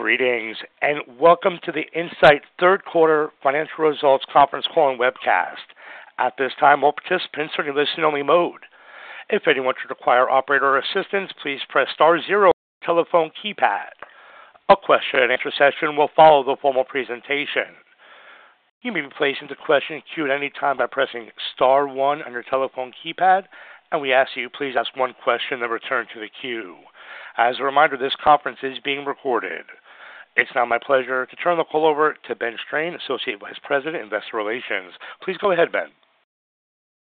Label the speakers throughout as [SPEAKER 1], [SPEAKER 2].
[SPEAKER 1] Greetings and welcome to the Incyte Third Quarter Financial Results Conference Call and Webcast. At this time, all participants are in listen-only mode. If anyone should require operator assistance, please press star zero on your telephone keypad. A question-and-answer session will follow the formal presentation. You may be placed into question queue at any time by pressing star one on your telephone keypad, and we ask that you please ask one question that will return to the queue. As a reminder, this conference is being recorded. It's now my pleasure to turn the call over to Ben Strain, Associate Vice President, Investor Relations. Please go ahead, Ben.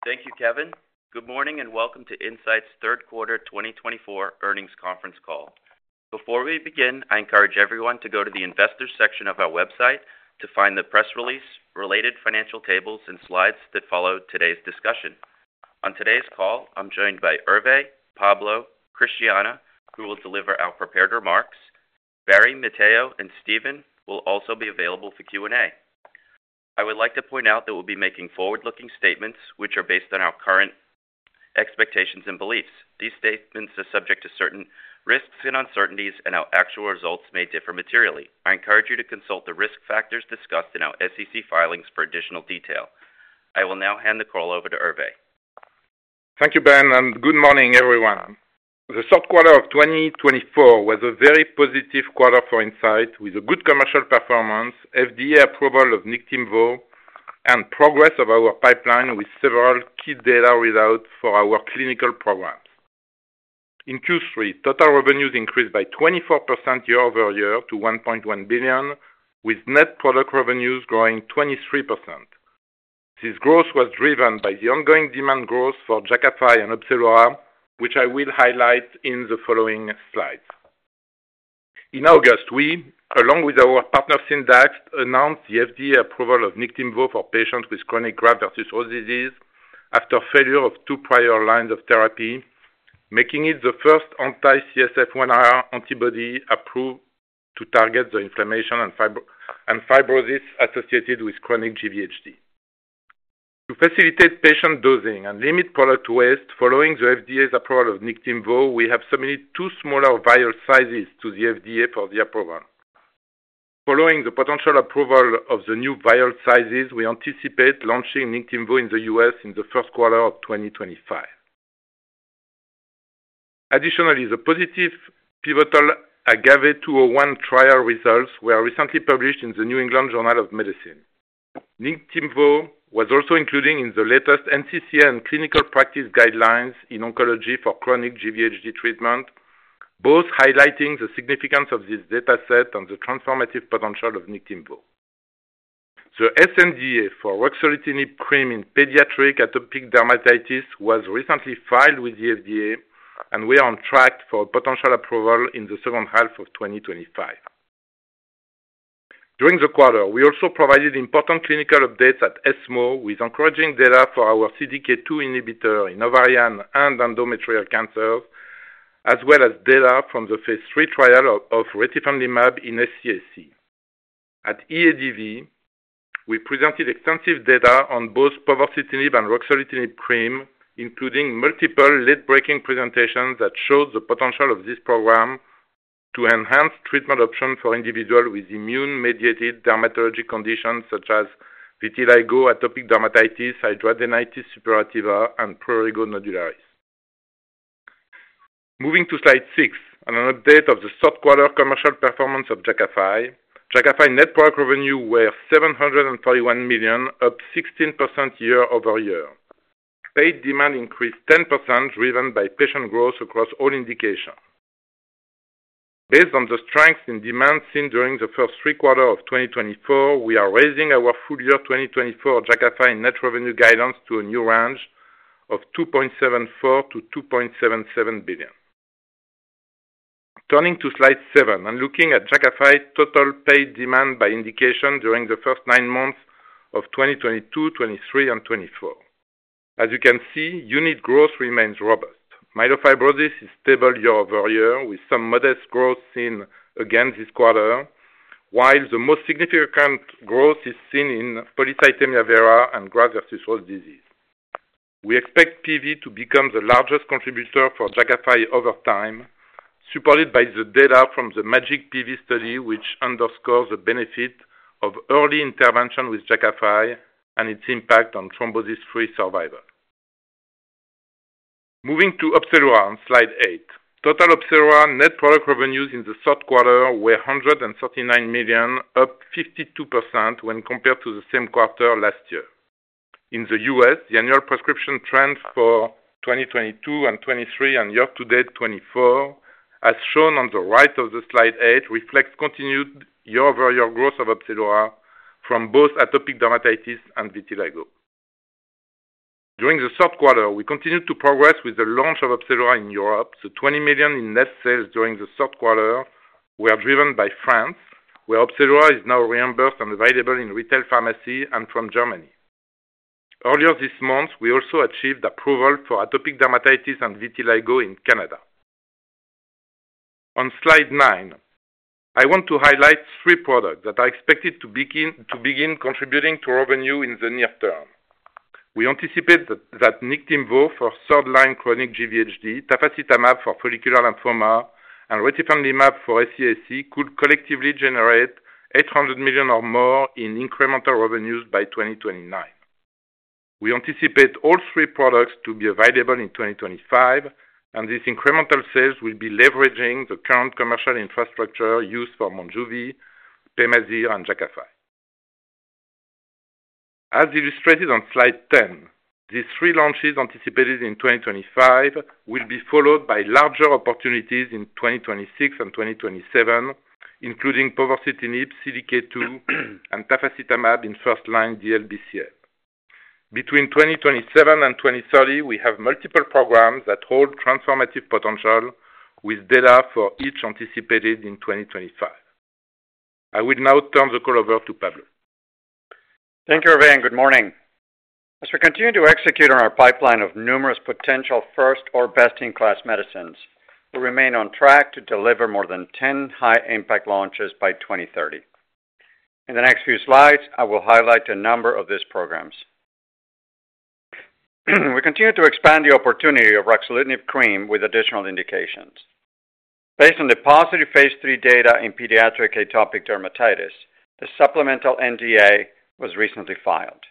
[SPEAKER 2] Thank you, Kevin. Good morning and welcome to Incyte's Third Quarter 2024 Earnings Conference Call. Before we begin, I encourage everyone to go to the Investor section of our website to find the press release, related financial tables, and slides that follow today's discussion. On today's call, I'm joined by Hervé, Pablo, Christiana, who will deliver our prepared remarks. Barry, Matteo, and Steven will also be available for Q&A. I would like to point out that we'll be making forward-looking statements which are based on our current expectations and beliefs. These statements are subject to certain risks and uncertainties, and our actual results may differ materially. I encourage you to consult the risk factors discussed in our SEC filings for additional detail. I will now hand the call over to Hervé.
[SPEAKER 3] Thank you, Ben, and good morning, everyone. The third quarter of 2024 was a very positive quarter for Incyte, with a good commercial performance, FDA approval of Niktimvo, and progress of our pipeline with several key data readouts for our clinical programs. In Q3, total revenues increased by 24% year-over-year to $1.1 billion, with net product revenues growing 23%. This growth was driven by the ongoing demand growth for Jakafi and OPZELURA, which I will highlight in the following slides. In August, we, along with our partner Syndax, announced the FDA approval of Niktimvo for patients with chronic graft-versus-host disease after failure of two prior lines of therapy, making it the first anti-CSF-1R antibody approved to target the inflammation and fibrosis associated with chronic GVHD. To facilitate patient dosing and limit product waste following the FDA's approval of Niktimvo, we have submitted two smaller vial sizes to the FDA for approval. Following the potential approval of the new vial sizes, we anticipate launching Niktimvo in the U.S. in the first quarter of 2025. Additionally, the positive pivotal AGAVE-201 trial results were recently published in the New England Journal of Medicine. Niktimvo was also included in the latest NCCN Clinical Practice Guidelines in Oncology for Chronic GVHD Treatment, both highlighting the significance of this dataset and the transformative potential of Niktimvo. The sNDA for ruxolitinib cream in pediatric atopic dermatitis was recently filed with the FDA, and we are on track for potential approval in the second half of 2025. During the quarter, we also provided important clinical updates at ESMO with encouraging data for CDK2 inhibitor in ovarian and endometrial cancers, as well as data from the phase III trial of retifanlimab in SCAC. At EADV, we presented extensive data on both povorcitinib and OPZELURA, including multiple landmark presentations that showed the potential of this program to enhance treatment options for individuals with immune-mediated dermatologic conditions such as vitiligo, atopic dermatitis, hidradenitis suppurativa, and prurigo nodularis. Moving to slide six and an update of the third quarter commercial performance of Jakafi. Jakafi net product revenue was $741 million, up 16% year-over-year. Paid demand increased 10%, driven by patient growth across all indications. Based on the strength in demand seen during the first three quarters of 2024, we are raising our full-year 2024 Jakafi net revenue guidance to a new range of $2.74 billion-$2.77 billion. Turning to slide seven and looking at Jakafi total paid demand by indication during the first nine months of 2022, 2023, and 2024. As you can see, unit growth remains robust. Myelofibrosis is stable year-over-year, with some modest growth seen again this quarter, while the most significant growth is seen in polycythemia vera and graft-versus-host disease. We expect PV to become the largest contributor for Jakafi over time, supported by the data from the MAJIC-PV study, which underscores the benefit of early intervention with Jakafi and its impact on thrombosis-free survival. Moving to OPZELURA, slide eight. Total OPZELURA net product revenues in the third quarter were $139 million, up 52% when compared to the same quarter last year. In the U.S., the annual prescription trend for 2022 and 2023 and year-to-date 2024, as shown on the right of slide eight, reflects continued year-over-year growth of OPZELURA from both atopic dermatitis and vitiligo. During the third quarter, we continued to progress with the launch of OPZELURA in Europe. The $20 million in net sales during the third quarter were driven by France, where OPZELURA is now reimbursed and available in retail pharmacy and from Germany. Earlier this month, we also achieved approval for atopic dermatitis and vitiligo in Canada. On slide nine, I want to highlight three products that are expected to begin contributing to revenue in the near term. We anticipate that Niktimvo for third-line chronic GVHD, tafasitamab for follicular lymphoma, and retifanlimab for SCAC could collectively generate $800 million or more in incremental revenues by 2029. We anticipate all three products to be available in 2025, and these incremental sales will be leveraging the current commercial infrastructure used for Monjuvi, PEMAZYRE, and Jakafi. As illustrated on slide 10, the three launches anticipated in 2025 will be followed by larger opportunities in 2026 and 2027, including povorcitinib, CDK2, and tafasitamab in first-line DLBCL. Between 2027 and 2030, we have multiple programs that hold transformative potential with data for each anticipated in 2025. I will now turn the call over to Pablo.
[SPEAKER 4] Thank you, Hervé, and good morning. As we continue to execute on our pipeline of numerous potential first or best-in-class medicines, we remain on track to deliver more than 10 high-impact launches by 2030. In the next few slides, I will highlight a number of these programs. We continue to expand the opportunity of ruxolitinib cream with additional indications. Based on the positive phase III data in pediatric atopic dermatitis, the supplemental NDA was recently filed.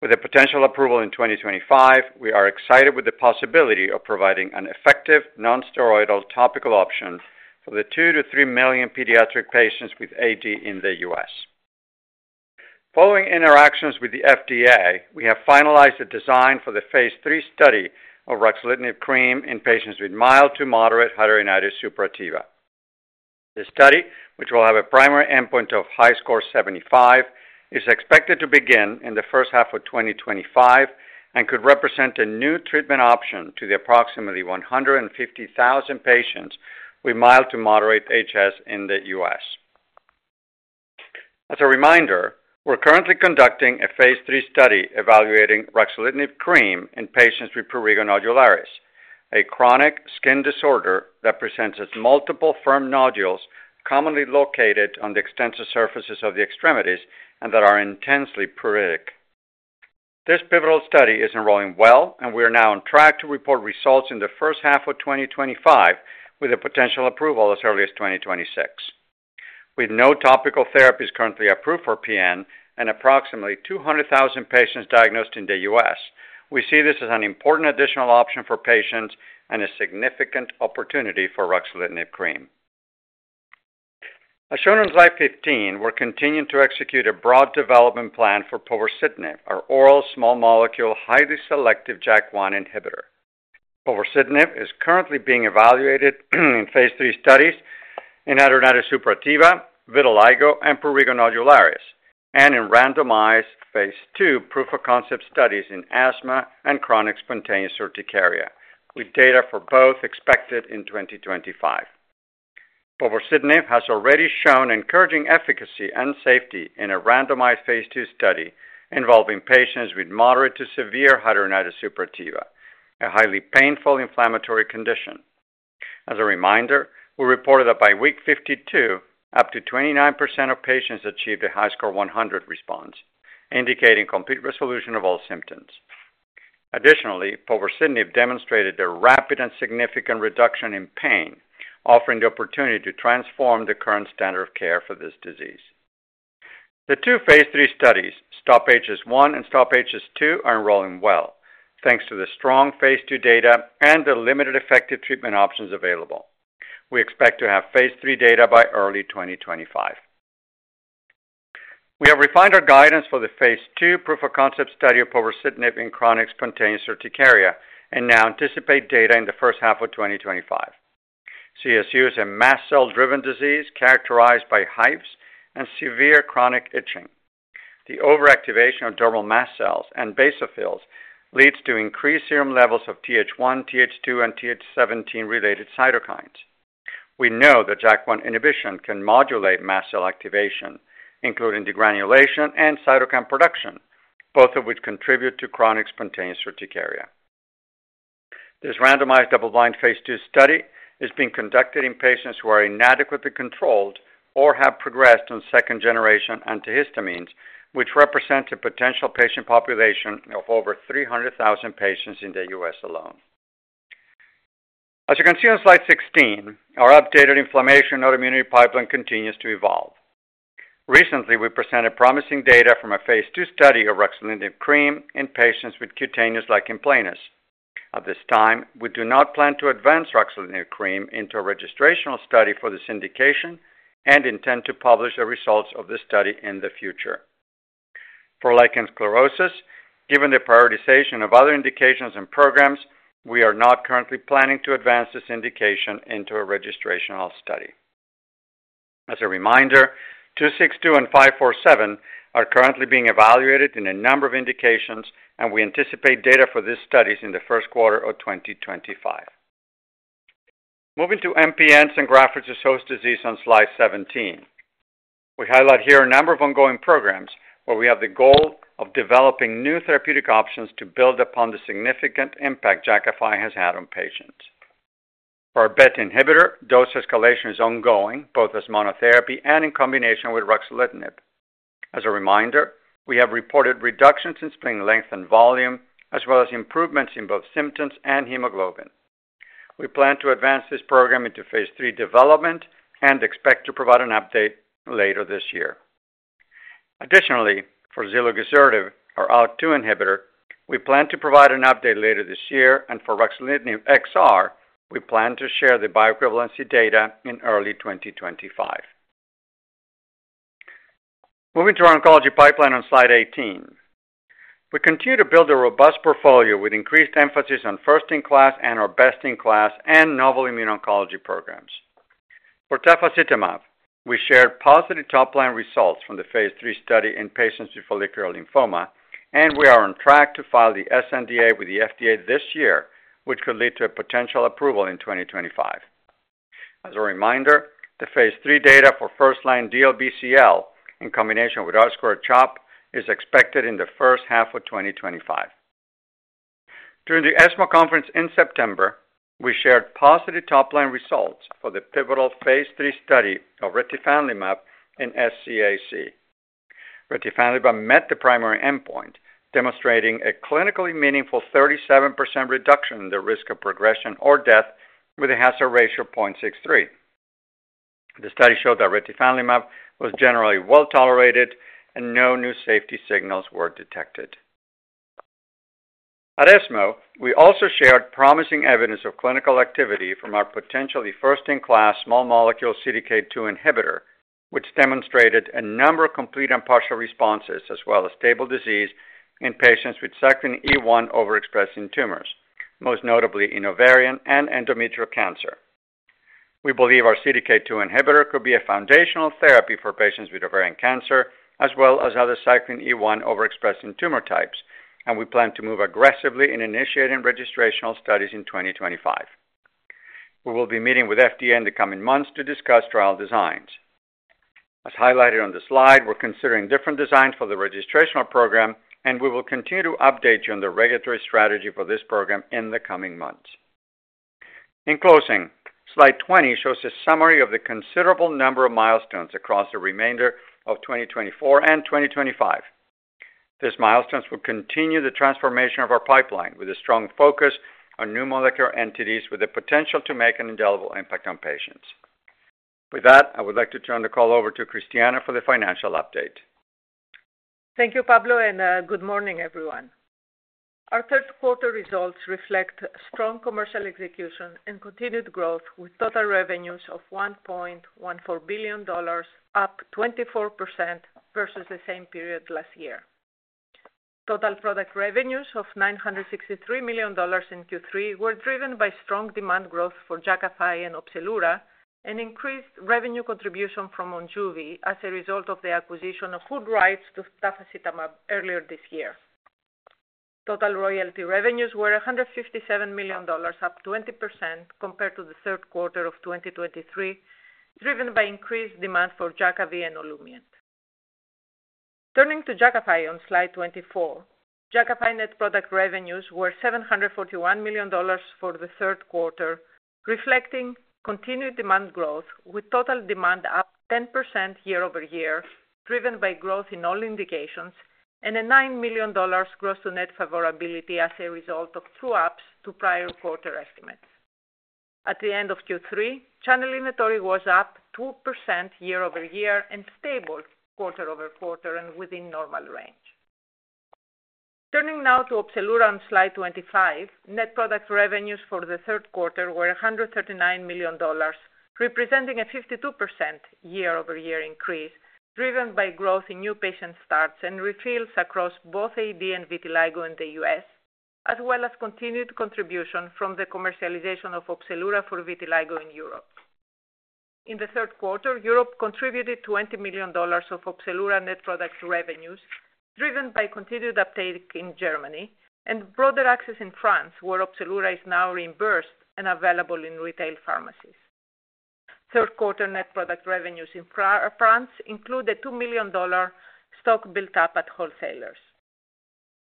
[SPEAKER 4] With the potential approval in 2025, we are excited with the possibility of providing an effective nonsteroidal topical option for the 2-3 million pediatric patients with AD in the US. Following interactions with the FDA, we have finalized the design for the phase III study of ruxolitinib cream in patients with mild to moderate hidradenitis suppurativa. The study, which will have a primary endpoint of HiSCR 75, is expected to begin in the first half of 2025 and could represent a new treatment option to approximately 150,000 patients with mild to moderate HS in the U.S.. As a reminder, we're currently conducting a phase III study evaluating ruxolitinib cream in patients with prurigo nodularis, a chronic skin disorder that presents as multiple firm nodules commonly located on the extensor surfaces of the extremities and that are intensely pruritic. This pivotal study is enrolling well, and we are now on track to report results in the first half of 2025 with a potential approval as early as 2026. With no topical therapies currently approved for PN and approximately 200,000 patients diagnosed in the U.S., we see this as an important additional option for patients and a significant opportunity for ruxolitinib cream. As shown on slide 15, we're continuing to execute a broad development plan for povorcitinib, our oral small molecule highly selective JAK1 inhibitor. povorcitinib is currently being evaluated in phase III studies in hidradenitis suppurativa, vitiligo, and prurigo nodularis, and in randomized phase II proof-of-concept studies in asthma and chronic spontaneous urticaria, with data for both expected in 2025. povorcitinib has already shown encouraging efficacy and safety in a randomized phase II study involving patients with moderate to severe hidradenitis suppurativa, a highly painful inflammatory condition. As a reminder, we reported that by week 52, up to 29% of patients achieved a HiSCR 100 response, indicating complete resolution of all symptoms. Additionally, povorcitinib demonstrated a rapid and significant reduction in pain, offering the opportunity to transform the current standard of care for this disease. The two phase III studies, STOP-HS1 and STOP-HS2, are enrolling well, thanks to the strong phase II data and the limited effective treatment options available. We expect to have phase III data by early 2025. We have refined our guidance for the phase II proof-of-concept study of povorcitinib in chronic spontaneous urticaria and now anticipate data in the first half of 2025. CSU is a mast cell-driven disease characterized by hives and severe chronic itching. The overactivation of dermal mast cells and basophils leads to increased serum levels of TH1, TH2, and TH17-related cytokines. We know that JAK1 inhibition can modulate mast cell activation, including degranulation and cytokine production, both of which contribute to chronic spontaneous urticaria. This randomized double-blind phase II study is being conducted in patients who are inadequately controlled or have progressed on second-generation antihistamines, which represents a potential patient population of over 300,000 patients in the U.S. alone. As you can see on slide 16, our updated inflammation autoimmune pipeline continues to evolve. Recently, we presented promising data from a phase II study of ruxolitinib cream in patients with cutaneous lichen planus. At this time, we do not plan to advance ruxolitinib cream into a registrational study for this indication and intend to publish the results of this study in the future. For lichen sclerosus, given the prioritization of other indications and programs, we are not currently planning to advance this indication into a registrational study. As a reminder, 262 and 547 are currently being evaluated in a number of indications, and we anticipate data for these studies in the first quarter of 2025. Moving to MPNs and graft-versus-host disease on slide 17, we highlight here a number of ongoing programs where we have the goal of developing new therapeutic options to build upon the significant impact Jakafi has had on patients. For our BET inhibitor, dose escalation is ongoing, both as monotherapy and in combination with ruxolitinib. As a reminder, we have reported reductions in spleen length and volume, as well as improvements in both symptoms and hemoglobin. We plan to advance this program into phase III development and expect to provide an update later this year. Additionally, for zilurgisertib, our ALK2 inhibitor, we plan to provide an update later this year, and for ruxolitinib XR, we plan to share the bioequivalency data in early 2025. Moving to our oncology pipeline on slide 18, we continue to build a robust portfolio with increased emphasis on first-in-class and our best-in-class and novel immuno-oncology programs. For tafasitamab, we shared positive top-line results from the phase III study in patients with follicular lymphoma, and we are on track to file the sNDA with the FDA this year, which could lead to a potential approval in 2025. As a reminder, the phase III data for first-line DLBCL in combination with R2-CHOP is expected in the first half of 2025. During the ESMO conference in September, we shared positive top-line results for the pivotal phase III study of retifanlimab in SCAC. Retifanlimab met the primary endpoint, demonstrating a clinically meaningful 37% reduction in the risk of progression or death with a hazard ratio of 0.63. The study showed that retifanlimab was generally well tolerated, and no new safety signals were detected. At ESMO, we also shared promising evidence of clinical activity from our potentially first-in-class small CDK2 inhibitor, which demonstrated a number of complete and partial responses as well as stable disease in patients with cyclin E1 overexpressing tumors, most notably in ovarian and endometrial cancer. We believe CDK2 inhibitor could be a foundational therapy for patients with ovarian cancer as well as other cyclin E1 overexpressing tumor types, and we plan to move aggressively in initiating registrational studies in 2025. We will be meeting with FDA in the coming months to discuss trial designs. As highlighted on the slide, we're considering different designs for the registrational program, and we will continue to update you on the regulatory strategy for this program in the coming months. In closing, slide 20 shows a summary of the considerable number of milestones across the remainder of 2024 and 2025. These milestones will continue the transformation of our pipeline with a strong focus on new molecular entities with the potential to make an indelible impact on patients. With that, I would like to turn the call over to Christiana for the financial update.
[SPEAKER 5] Thank you, Pablo, and good morning, everyone. Our third quarter results reflect strong commercial execution and continued growth, with total revenues of $1.14 billion, up 24% versus the same period last year. Total product revenues of $963 million in Q3 were driven by strong demand growth for Jakafi and OPZELURA, and increased revenue contribution from Monjuvi as a result of the acquisition of full rights to tafasitamab earlier this year. Total royalty revenues were $157 million, up 20% compared to the third quarter of 2023, driven by increased demand for Jakavi and Olumiant. Turning to Jakafi on slide 24, Jakafi net product revenues were $741 million for the third quarter, reflecting continued demand growth, with total demand up 10% year-over-year, driven by growth in all indications, and a $9 million gross-to-net favorability as a result of true-ups to prior quarter estimates. At the end of Q3, channel inventory was up 2% year-over-year and stable quarter over quarter and within normal range. Turning now to OPZELURA on slide 25, net product revenues for the third quarter were $139 million, representing a 52% year-over-year increase, driven by growth in new patient starts and refills across both AD and vitiligo in the US, as well as continued contribution from the commercialization of OPZELURA for vitiligo in Europe. In the third quarter, Europe contributed $20 million of OPZELURA net product revenues, driven by continued uptake in Germany and broader access in France, where OPZELURA is now reimbursed and available in retail pharmacies. Third quarter net product revenues in France include a $2 million stock built up at wholesalers.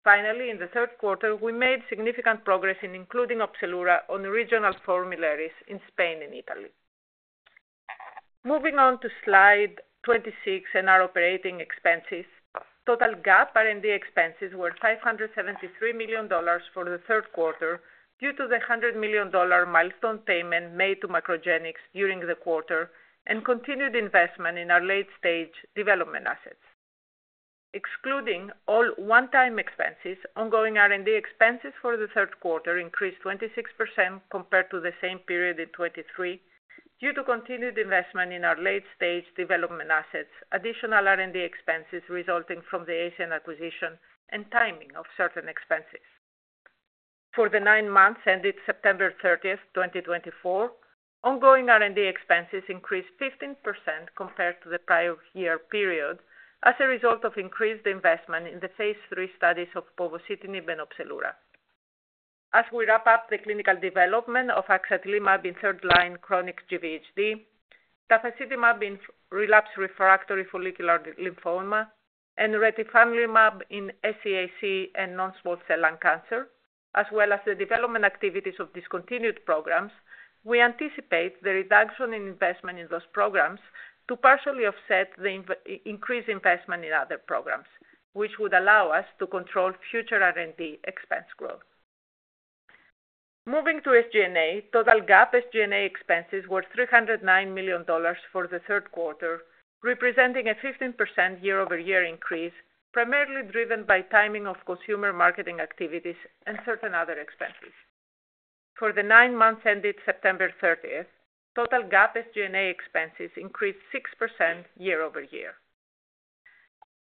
[SPEAKER 5] Finally, in the third quarter, we made significant progress in including OPZELURA on regional formularies in Spain and Italy. Moving on to slide 26 and our operating expenses, total GAAP R&D expenses were $573 million for the third quarter due to the $100 million milestone payment made to MacroGenics during the quarter and continued investment in our late-stage development assets. Excluding all one-time expenses, ongoing R&D expenses for the third quarter increased 26% compared to the same period in 2023 due to continued investment in our late-stage development assets, additional R&D expenses resulting from the Escient acquisition and timing of certain expenses. For the nine months ended September 30, 2024, ongoing R&D expenses increased 15% compared to the prior year period as a result of increased investment in the phase III studies of povorcitinib and OPZELURA. As we wrap up the clinical development of axatilimab in third-line chronic GVHD, tafasitamab in relapsed refractory follicular lymphoma, and retifanlimab in SCAC and non-small cell lung cancer, as well as the development activities of discontinued programs, we anticipate the reduction in investment in those programs to partially offset the increased investment in other programs, which would allow us to control future R&D expense growth. Moving to SG&A, total GAAP SG&A expenses were $309 million for the third quarter, representing a 15% year-over-year increase, primarily driven by timing of consumer marketing activities and certain other expenses. For the nine months ended September 30, total GAAP SG&A expenses increased 6% year-over-year.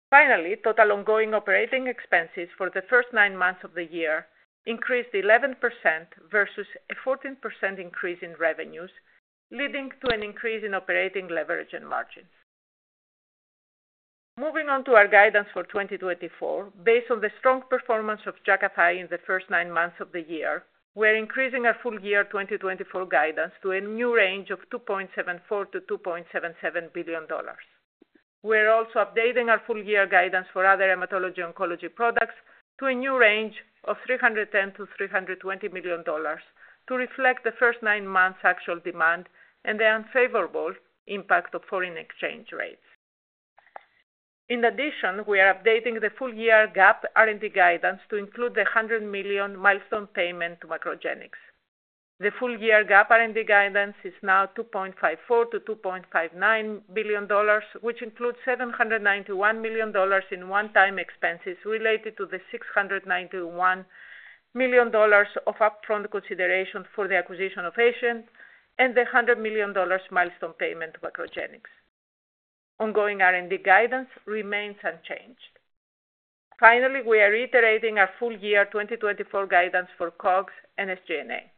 [SPEAKER 5] Finally, total ongoing operating expenses for the first nine months of the year increased 11% versus a 14% increase in revenues, leading to an increase in operating leverage and margins. Moving on to our guidance for 2024, based on the strong performance of Jakafi in the first nine months of the year, we are increasing our full year 2024 guidance to a new range of $2.74 billion-$2.77 billion. We are also updating our full year guidance for other hematology-oncology products to a new range of $310 million-$320 million to reflect the first nine months' actual demand and the unfavorable impact of foreign exchange rates. In addition, we are updating the full year GAAP R&D guidance to include the $100 million milestone payment to MacroGenics. The full year GAAP R&D guidance is now $2.54 billion-$2.59 billion, which includes $791 million in one-time expenses related to the $691 million of upfront consideration for the acquisition of Escient and the $100 million milestone payment to MacroGenics. Ongoing R&D guidance remains unchanged. Finally, we are reiterating our full year 2024 guidance for COGS and SG&A.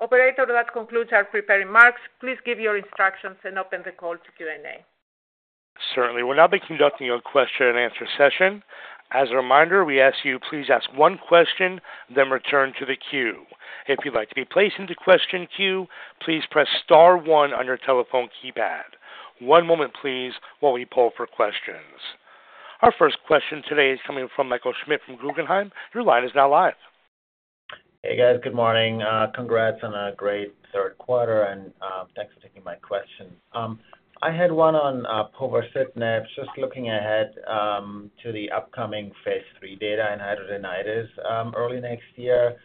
[SPEAKER 5] Operator, that concludes our prepared remarks. Please give your instructions and open the call to Q&A.
[SPEAKER 1] Certainly. We'll now be conducting a question-and-answer session. As a reminder, we ask you to please ask one question, then return to the queue. If you'd like to be placed into question queue, please press star one on your telephone keypad. One moment, please, while we pull for questions. Our first question today is coming from Michael Schmidt from Guggenheim. Your line is now live.
[SPEAKER 6] Hey, guys. Good morning. Congrats on a great third quarter, and thanks for taking my question. I had one on povorcitinib, just looking ahead to the upcoming phase III data in hidradenitis early next year.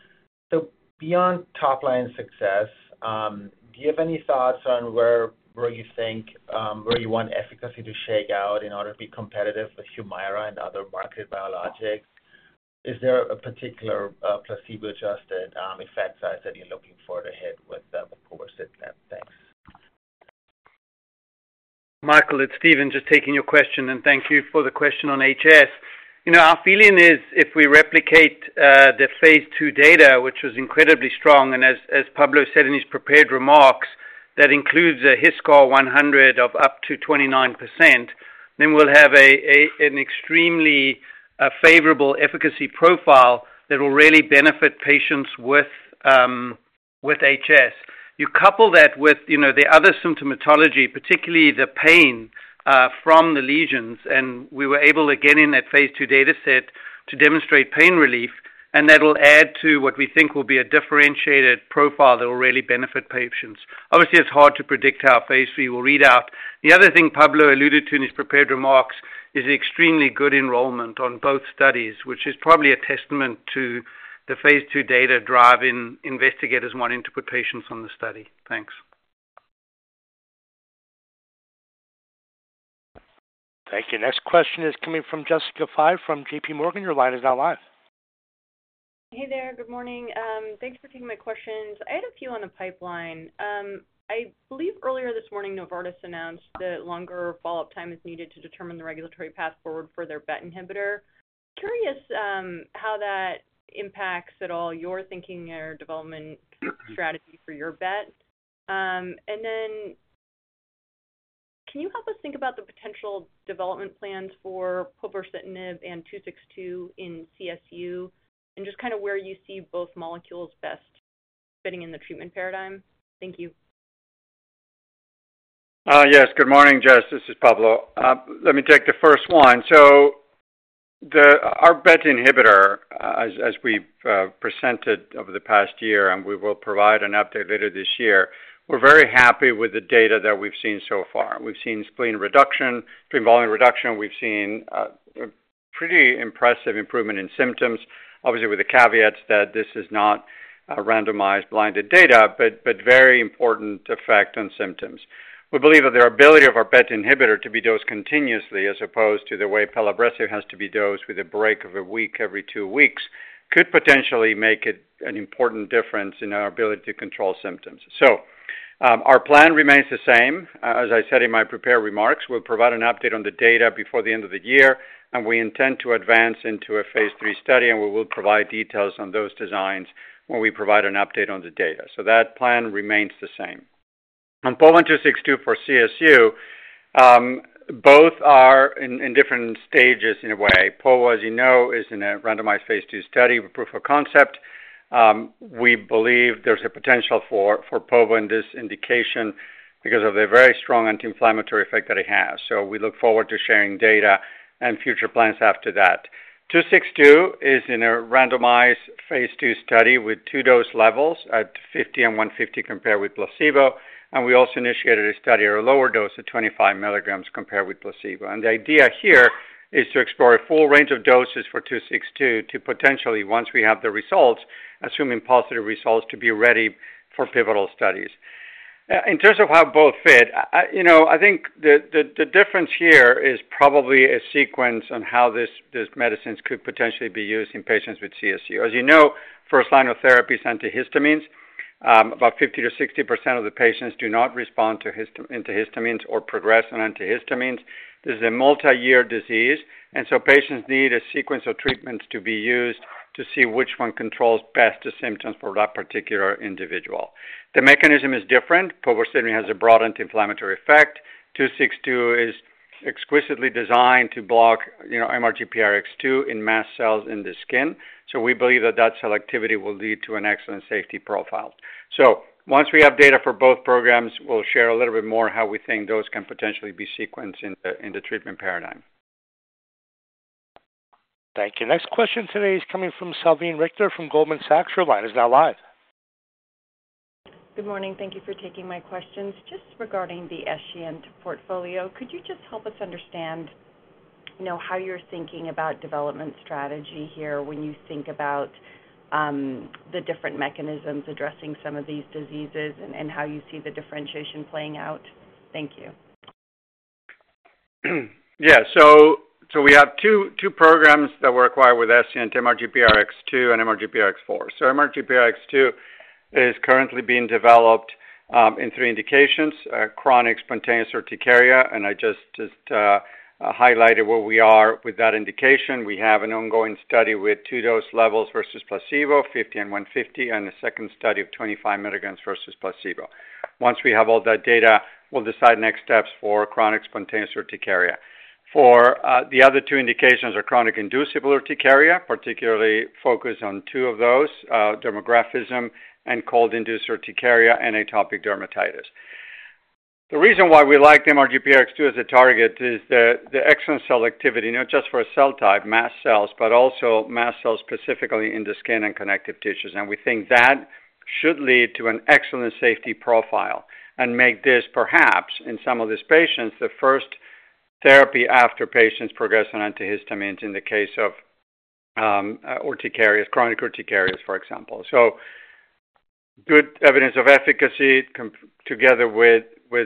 [SPEAKER 6] So beyond top-line success, do you have any thoughts on where you think where you want efficacy to shake out in order to be competitive with HUMIRA and other market biologics? Is there a particular placebo-adjusted effect size that you're looking forward ahead with the povorcitinib? Thanks.
[SPEAKER 7] Michael, it's Steven just taking your question, and thank you for the question on HS. Our feeling is if we replicate the phase II data, which was incredibly strong, and as Pablo said in his prepared remarks, that includes a HiSCR 100 of up to 29%, then we'll have an extremely favorable efficacy profile that will really benefit patients with HS. You couple that with the other symptomatology, particularly the pain from the lesions, and we were able to get in that phase II data set to demonstrate pain relief, and that will add to what we think will be a differentiated profile that will really benefit patients. Obviously, it's hard to predict how phase III will read out. The other thing Pablo alluded to in his prepared remarks is the extremely good enrollment on both studies, which is probably a testament to the phase II data driving investigators wanting to put patients on the study. Thanks.
[SPEAKER 1] Thank you. Next question is coming from Jessica Fye from JPMorgan. Your line is now live.
[SPEAKER 8] Hey there. Good morning. Thanks for taking my questions. I had a few on the pipeline. I believe earlier this morning, Novartis announced that longer follow-up time is needed to determine the regulatory path forward for their BET inhibitor. Curious how that impacts at all your thinking or development strategy for your BET. And then can you help us think about the potential development plans for povorcitinib and 262 in CSU, and just kind of where you see both molecules best fitting in the treatment paradigm? Thank you.
[SPEAKER 4] Yes. Good morning, Jess. This is Pablo. Let me take the first one, so our BET inhibitor, as we've presented over the past year, and we will provide an update later this year, we're very happy with the data that we've seen so far. We've seen spleen volume reduction. We've seen pretty impressive improvement in symptoms, obviously with the caveats that this is not randomized blinded data, but very important effect on symptoms. We believe that the ability of our BET inhibitor to be dosed continuously as opposed to the way pelabresib has to be dosed with a break of a week every two weeks could potentially make an important difference in our ability to control symptoms, so our plan remains the same. As I said in my prepared remarks, we'll provide an update on the data before the end of the year, and we intend to advance into a phase III study, and we will provide details on those designs when we provide an update on the data. So that plan remains the same. On povo and 262 for CSU, both are in different stages in a way. povo, as you know, is in a randomized phase II study with proof of concept. We believe there's a potential for povo in this indication because of the very strong anti-inflammatory effect that it has. So we look forward to sharing data and future plans after that. 262 is in a randomized phase II study with two dose levels at 50 and 150 compared with placebo, and we also initiated a study at a lower dose of 25 milligrams compared with placebo. The idea here is to explore a full range of doses for 262 to potentially, once we have the results, assuming positive results, to be ready for pivotal studies. In terms of how both fit, I think the difference here is probably a sequence on how these medicines could potentially be used in patients with CSU. As you know, first line of therapy is antihistamines. About 50%-60% of the patients do not respond to antihistamines or progress on antihistamines. This is a multi-year disease, and so patients need a sequence of treatments to be used to see which one controls best the symptoms for that particular individual. The mechanism is different. povorcitinib has a broad anti-inflammatory effect. 262 is exquisitely designed to block MRGPRX2 in mast cells in the skin. So we believe that that selectivity will lead to an excellent safety profile. So once we have data for both programs, we'll share a little bit more how we think those can potentially be sequenced in the treatment paradigm.
[SPEAKER 1] Thank you. Next question today is coming from Salveen Richter from Goldman Sachs. Now live.
[SPEAKER 9] Good morning. Thank you for taking my questions. Just regarding the Escient portfolio, could you just help us understand how you're thinking about development strategy here when you think about the different mechanisms addressing some of these diseases and how you see the differentiation playing out? Thank you.
[SPEAKER 4] Yeah. So we have two programs that were acquired with Escient, MRGPRX2 and MRGPRX4. So MRGPRX2 is currently being developed in three indications, chronic spontaneous urticaria, and I just highlighted where we are with that indication. We have an ongoing study with two dose levels versus placebo, 50 and 150, and a second study of 25 milligrams versus placebo. Once we have all that data, we'll decide next steps for chronic spontaneous urticaria. For the other two indications are chronic inducible urticaria, particularly focused on two of those, dermographism and cold-induced urticaria and atopic dermatitis. The reason why we like MRGPRX2 as a target is the excellent selectivity, not just for a cell type, mast cells, but also mast cells specifically in the skin and connective tissues. We think that should lead to an excellent safety profile and make this, perhaps, in some of these patients, the first therapy after patients progress on antihistamines in the case of chronic urticaria, for example. Good evidence of efficacy together with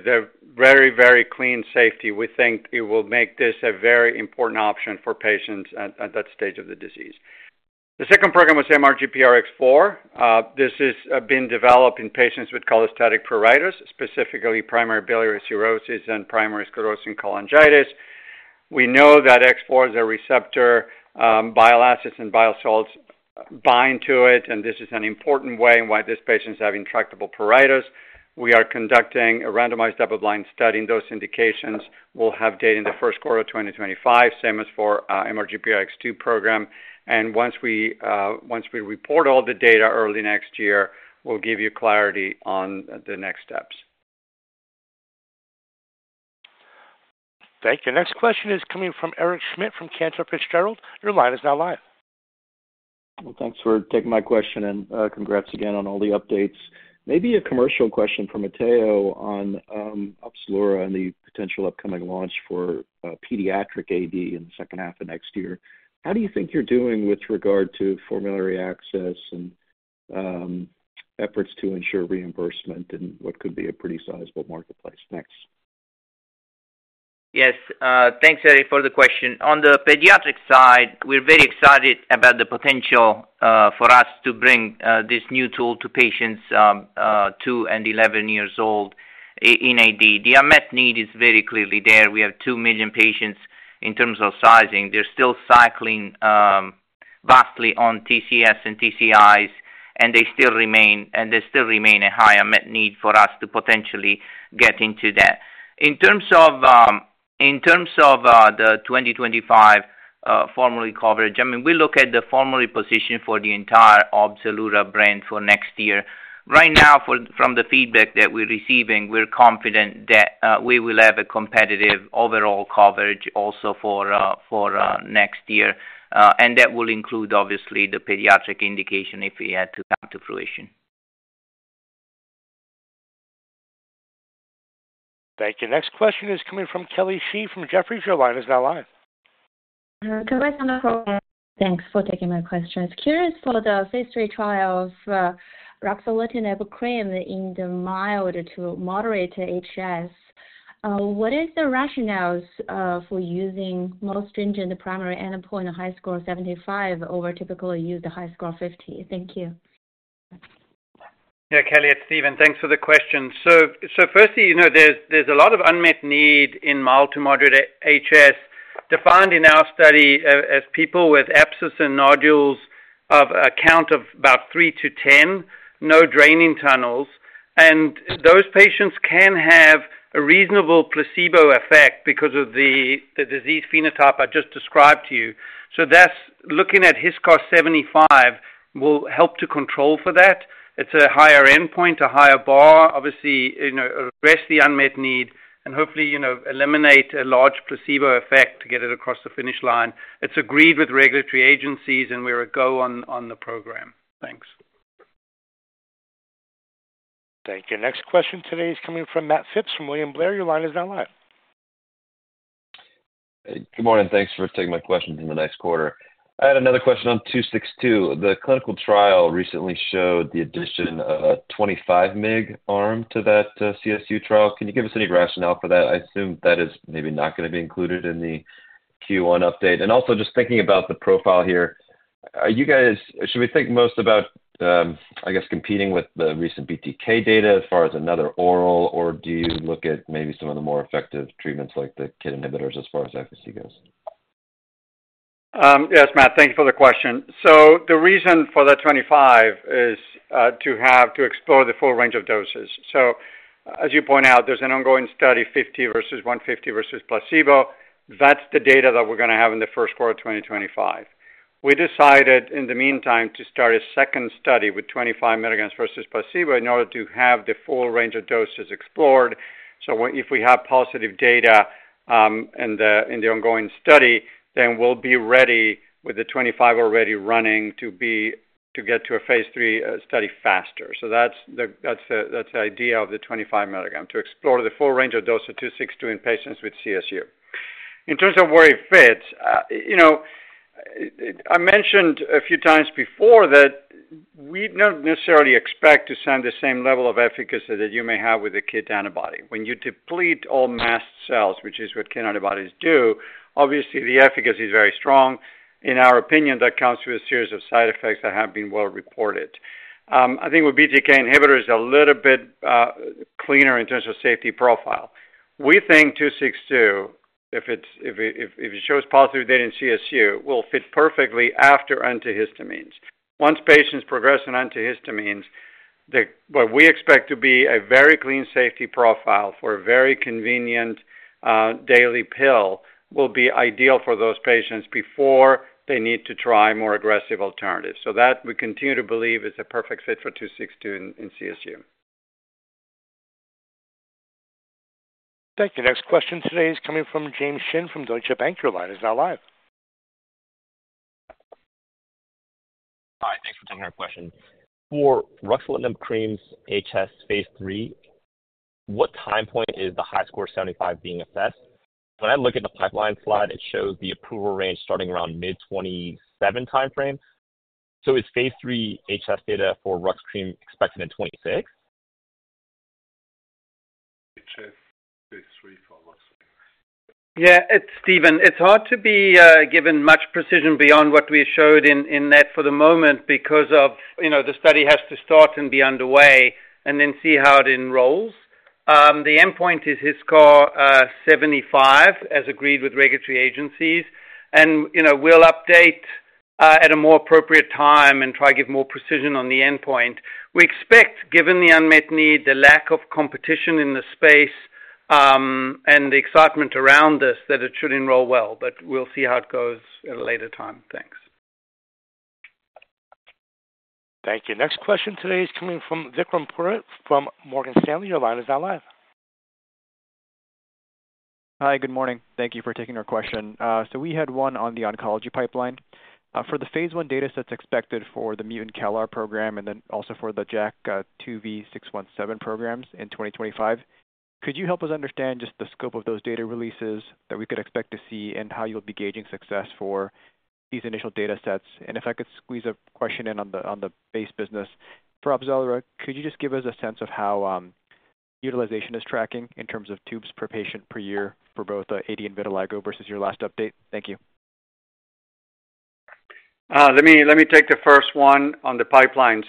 [SPEAKER 4] a very, very clean safety, we think it will make this a very important option for patients at that stage of the disease. The second program was MRGPRX4. This has been developed in patients with cholestatic pruritus, specifically primary biliary cirrhosis and primary sclerosing cholangitis. We know that X4 is a receptor. Bile acids and bile salts bind to it, and this is an important way in why this patient is having intractable pruritus. We are conducting a randomized double-blind study in those indications. We'll have data in the first quarter of 2025, same as for MRGPRX2 program. Once we report all the data early next year, we'll give you clarity on the next steps.
[SPEAKER 1] Thank you. Next question is coming from Eric Schmidt from Cantor Fitzgerald. Your line is now live.
[SPEAKER 10] Thanks for taking my question, and congrats again on all the updates. Maybe a commercial question for Matteo on OPZELURA and the potential upcoming launch for pediatric AD in the second half of next year. How do you think you're doing with regard to formulary access and efforts to ensure reimbursement in what could be a pretty sizable marketplace? Next.
[SPEAKER 11] Yes. Thanks, Eric, for the question. On the pediatric side, we're very excited about the potential for us to bring this new tool to patients two and 11 years old in AD. The unmet need is very clearly there. We have two million patients in terms of sizing. They're still cycling vastly on TCS and TCIs, and they still remain, and there still remain a high unmet need for us to potentially get into that. In terms of the 2025 formulary coverage, I mean, we look at the formulary position for the entire OPZELURA brand for next year. Right now, from the feedback that we're receiving, we're confident that we will have a competitive overall coverage also for next year, and that will include, obviously, the pediatric indication if we had to come to fruition.
[SPEAKER 1] Thank you. Next question is coming from Kelly Shi from Jefferies. Now live.
[SPEAKER 12] Congrats on the program. Thanks for taking my questions. Curious for the phase III trial of ruxolitinib cream in the mild to moderate HS. What is the rationale for using most stringent primary endpoint, a HiSCR of 75, over typically used a HiSCR of 50? Thank you.
[SPEAKER 7] Yeah, Kelly, it's Steven. Thanks for the question. So firstly, there's a lot of unmet need in mild to moderate HS defined in our study as people with abscess and nodules of a count of about three to 10, no draining tunnels. And those patients can have a reasonable placebo effect because of the disease phenotype I just described to you. So that's looking at HiSCR 75 will help to control for that. It's a higher endpoint, a higher bar, obviously address the unmet need, and hopefully eliminate a large placebo effect to get it across the finish line. It's agreed with regulatory agencies, and we're a go on the program. Thanks.
[SPEAKER 1] Thank you. Next question today is coming from Matt Phipps from William Blair. Your line is now live.
[SPEAKER 13] Good morning. Thanks for taking my questions in the next quarter. I had another question on 262. The clinical trial recently showed the addition of a 25-mg arm to that CSU trial. Can you give us any rationale for that? I assume that is maybe not going to be included in the Q1 update. And also just thinking about the profile here, are you guys should we think most about, I guess, competing with the recent BTK data as far as another oral, or do you look at maybe some of the more effective treatments like the CAD inhibitors as far as efficacy goes?
[SPEAKER 7] Yes, Matt. Thank you for the question. So the reason for the 25 is to explore the full range of doses. So as you point out, there's an ongoing study, 50 versus 150 versus placebo. That's the data that we're going to have in the first quarter of 2025. We decided in the meantime to start a second study with 25 milligrams versus placebo in order to have the full range of doses explored. So if we have positive data in the ongoing study, then we'll be ready with the 25 already running to get to a phase III study faster. So that's the idea of the 25 milligram to explore the full range of dose of 262 in patients with CSU. In terms of where it fits, I mentioned a few times before that we don't necessarily expect to see the same level of efficacy that you may have with an anti-IgE antibody. When you deplete all mast cells, which is what anti-IgE antibodies do, obviously the efficacy is very strong. In our opinion, that comes through a series of side effects that have been well reported. I think with BTK inhibitors, a little bit cleaner in terms of safety profile. We think 262, if it shows positive data in CSU, will fit perfectly after antihistamines. Once patients progress on antihistamines, what we expect to be a very clean safety profile for a very convenient daily pill will be ideal for those patients before they need to try more aggressive alternatives. So that we continue to believe is a perfect fit for 262 in CSU.
[SPEAKER 1] Thank you. Next question today is coming from James Shin from Deutsche Bank. Now live.
[SPEAKER 14] Hi. Thanks for taking our question. For ruxolitinib cream's HS phase III, what time point is the HiSCR 75 being assessed? When I look at the pipeline slide, it shows the approval range starting around mid-2027 timeframe. So is phase III HS data for Rux cream expected in 2026?
[SPEAKER 7] Yeah. It's Steven. It's hard to be given much precision beyond what we showed in that for the moment because the study has to start and be underway and then see how it enrolls. The endpoint is HiSCR 75 as agreed with regulatory agencies, and we'll update at a more appropriate time and try to give more precision on the endpoint. We expect, given the unmet need, the lack of competition in the space and the excitement around this, that it should enroll well, but we'll see how it goes at a later time. Thanks.
[SPEAKER 1] Thank you. Next question today is coming from Vikram Purohit from Morgan Stanley. Now live.
[SPEAKER 15] Hi. Good morning. Thank you for taking our question. So we had one on the oncology pipeline. For the phase I data that's expected for the mutant CALR program and then also for the JAK2V617F programs in 2025, could you help us understand just the scope of those data releases that we could expect to see and how you'll be gauging success for these initial data sets? And if I could squeeze a question in on the base business. For OPZELURA, could you just give us a sense of how utilization is tracking in terms of tubes per patient per year for both AD and vitiligo versus your last update? Thank you.
[SPEAKER 7] Let me take the first one on the pipeline.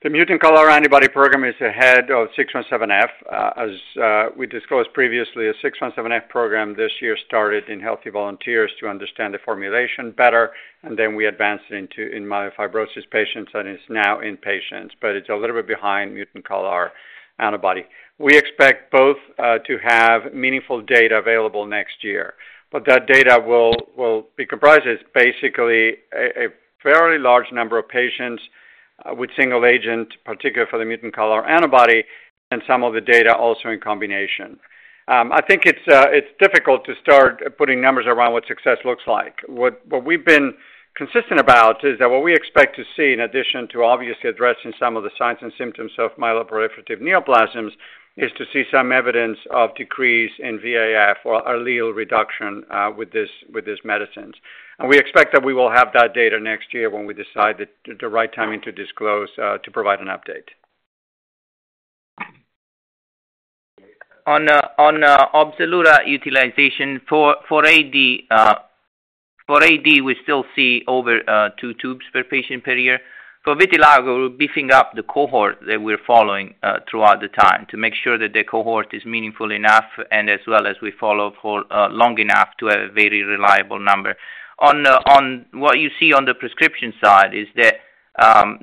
[SPEAKER 7] So the mutant CALR antibody program is ahead of V617F. As we disclosed previously, a V617F program this year started in healthy volunteers to understand the formulation better, and then we advanced it into myelofibrosis patients and is now in patients, but it's a little bit behind mutant CALR antibody. We expect both to have meaningful data available next year, but that data will be comprised, basically, a fairly large number of patients with single agent, particularly for the mutant CALR antibody, and some of the data also in combination. I think it's difficult to start putting numbers around what success looks like. What we've been consistent about is that what we expect to see, in addition to obviously addressing some of the signs and symptoms of myeloproliferative neoplasms, is to see some evidence of decrease in VAF or allele reduction with these medicines. And we expect that we will have that data next year when we decide the right timing to disclose to provide an update.
[SPEAKER 11] On OPZELURA utilization, for AD, we still see over two tubes per patient per year. For vitiligo, we're beefing up the cohort that we're following throughout the time to make sure that the cohort is meaningful enough and as well as we follow for long enough to have a very reliable number. On what you see on the prescription side is that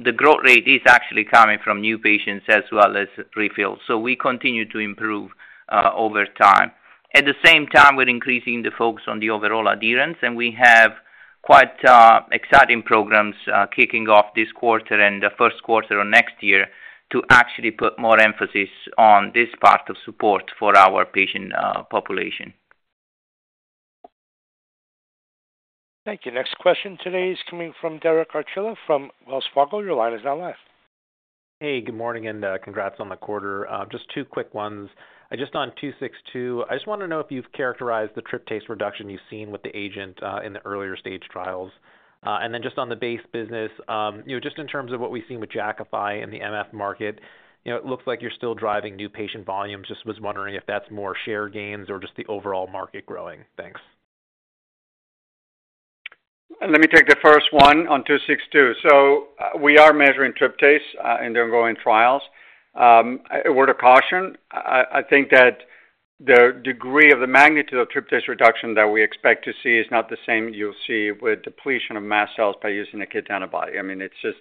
[SPEAKER 11] the growth rate is actually coming from new patients as well as refills. So we continue to improve over time. At the same time, we're increasing the focus on the overall adherence, and we have quite exciting programs kicking off this quarter and the first quarter of next year to actually put more emphasis on this part of support for our patient population.
[SPEAKER 1] Thank you. Next question today is coming from Derek Archila from Wells Fargo. Your line is now live.
[SPEAKER 16] Hey, good morning, and congrats on the quarter. Just two quick ones. Just on 262, I just want to know if you've characterized the tryptase reduction you've seen with the agent in the earlier stage trials. And then just on the base business, just in terms of what we've seen with Jakafi in the MF market, it looks like you're still driving new patient volumes. Just was wondering if that's more share gains or just the overall market growing.?Thanks.
[SPEAKER 4] Let me take the first one on 262 so we are measuring tryptase in the ongoing trials. A word of caution, I think that the degree of the magnitude of tryptase reduction that we expect to see is not the same you'll see with depletion of mast cells by using a c-kit antibody. I mean, it's just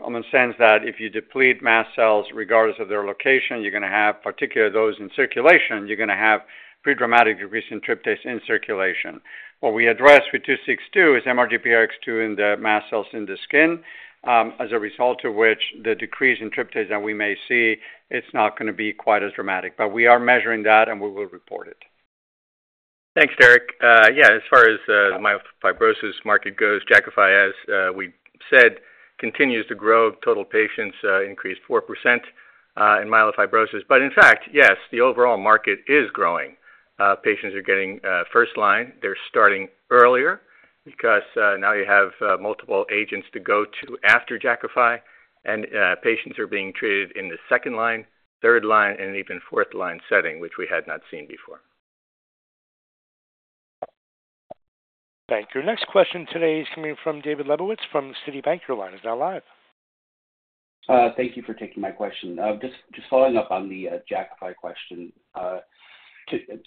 [SPEAKER 4] common sense that if you deplete mast cells regardless of their location, you're going to have, particularly those in circulation, you're going to have pretty dramatic decrease in tryptase in circulation. What we address with 262 is MRGPRX2 in the mast cells in the skin, as a result of which the decrease in tryptase that we may see, it's not going to be quite as dramatic, but we are measuring that and we will report it.
[SPEAKER 7] Thanks, Derek. Yeah, as far as the myelofibrosis market goes, Jakafi, as we said, continues to grow. Total patients increased 4% in myelofibrosis. But in fact, yes, the overall market is growing. Patients are getting first line. They're starting earlier because now you have multiple agents to go to after Jakafi, and patients are being treated in the second line, third line, and even fourth line setting, which we had not seen before.
[SPEAKER 1] Thank you. Next question today is coming from David Lebowitz from Citigroup. Now live.
[SPEAKER 17] Thank you for taking my question. Just following up on the Jakafi question,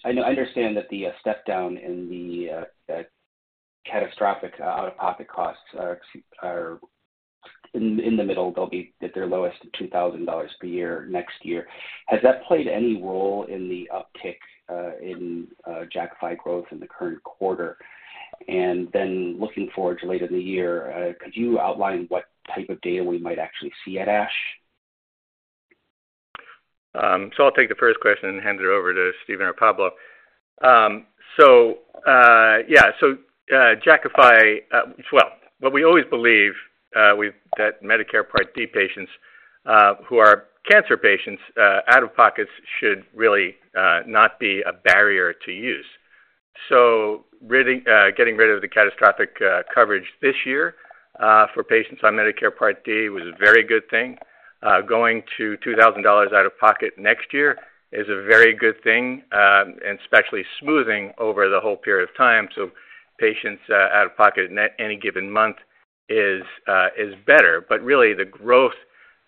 [SPEAKER 17] I understand that the step down in the catastrophic out-of-pocket costs are in the middle. They'll be at their lowest at $2,000 per year next year. Has that played any role in the uptick in Jakafi growth in the current quarter? And then looking forward to later in the year, could you outline what type of data we might actually see at ASH?
[SPEAKER 18] So I'll take the first question and hand it over to Steven or Pablo. So, Jakafi, well, what we always believe with that Medicare Part D patients who are cancer patients, out-of-pockets should really not be a barrier to use. So getting rid of the catastrophic coverage this year for patients on Medicare Part D was a very good thing. Going to $2,000 out-of-pocket next year is a very good thing, and especially smoothing over the whole period of time. So patients out-of-pocket in any given month is better. But really, the growth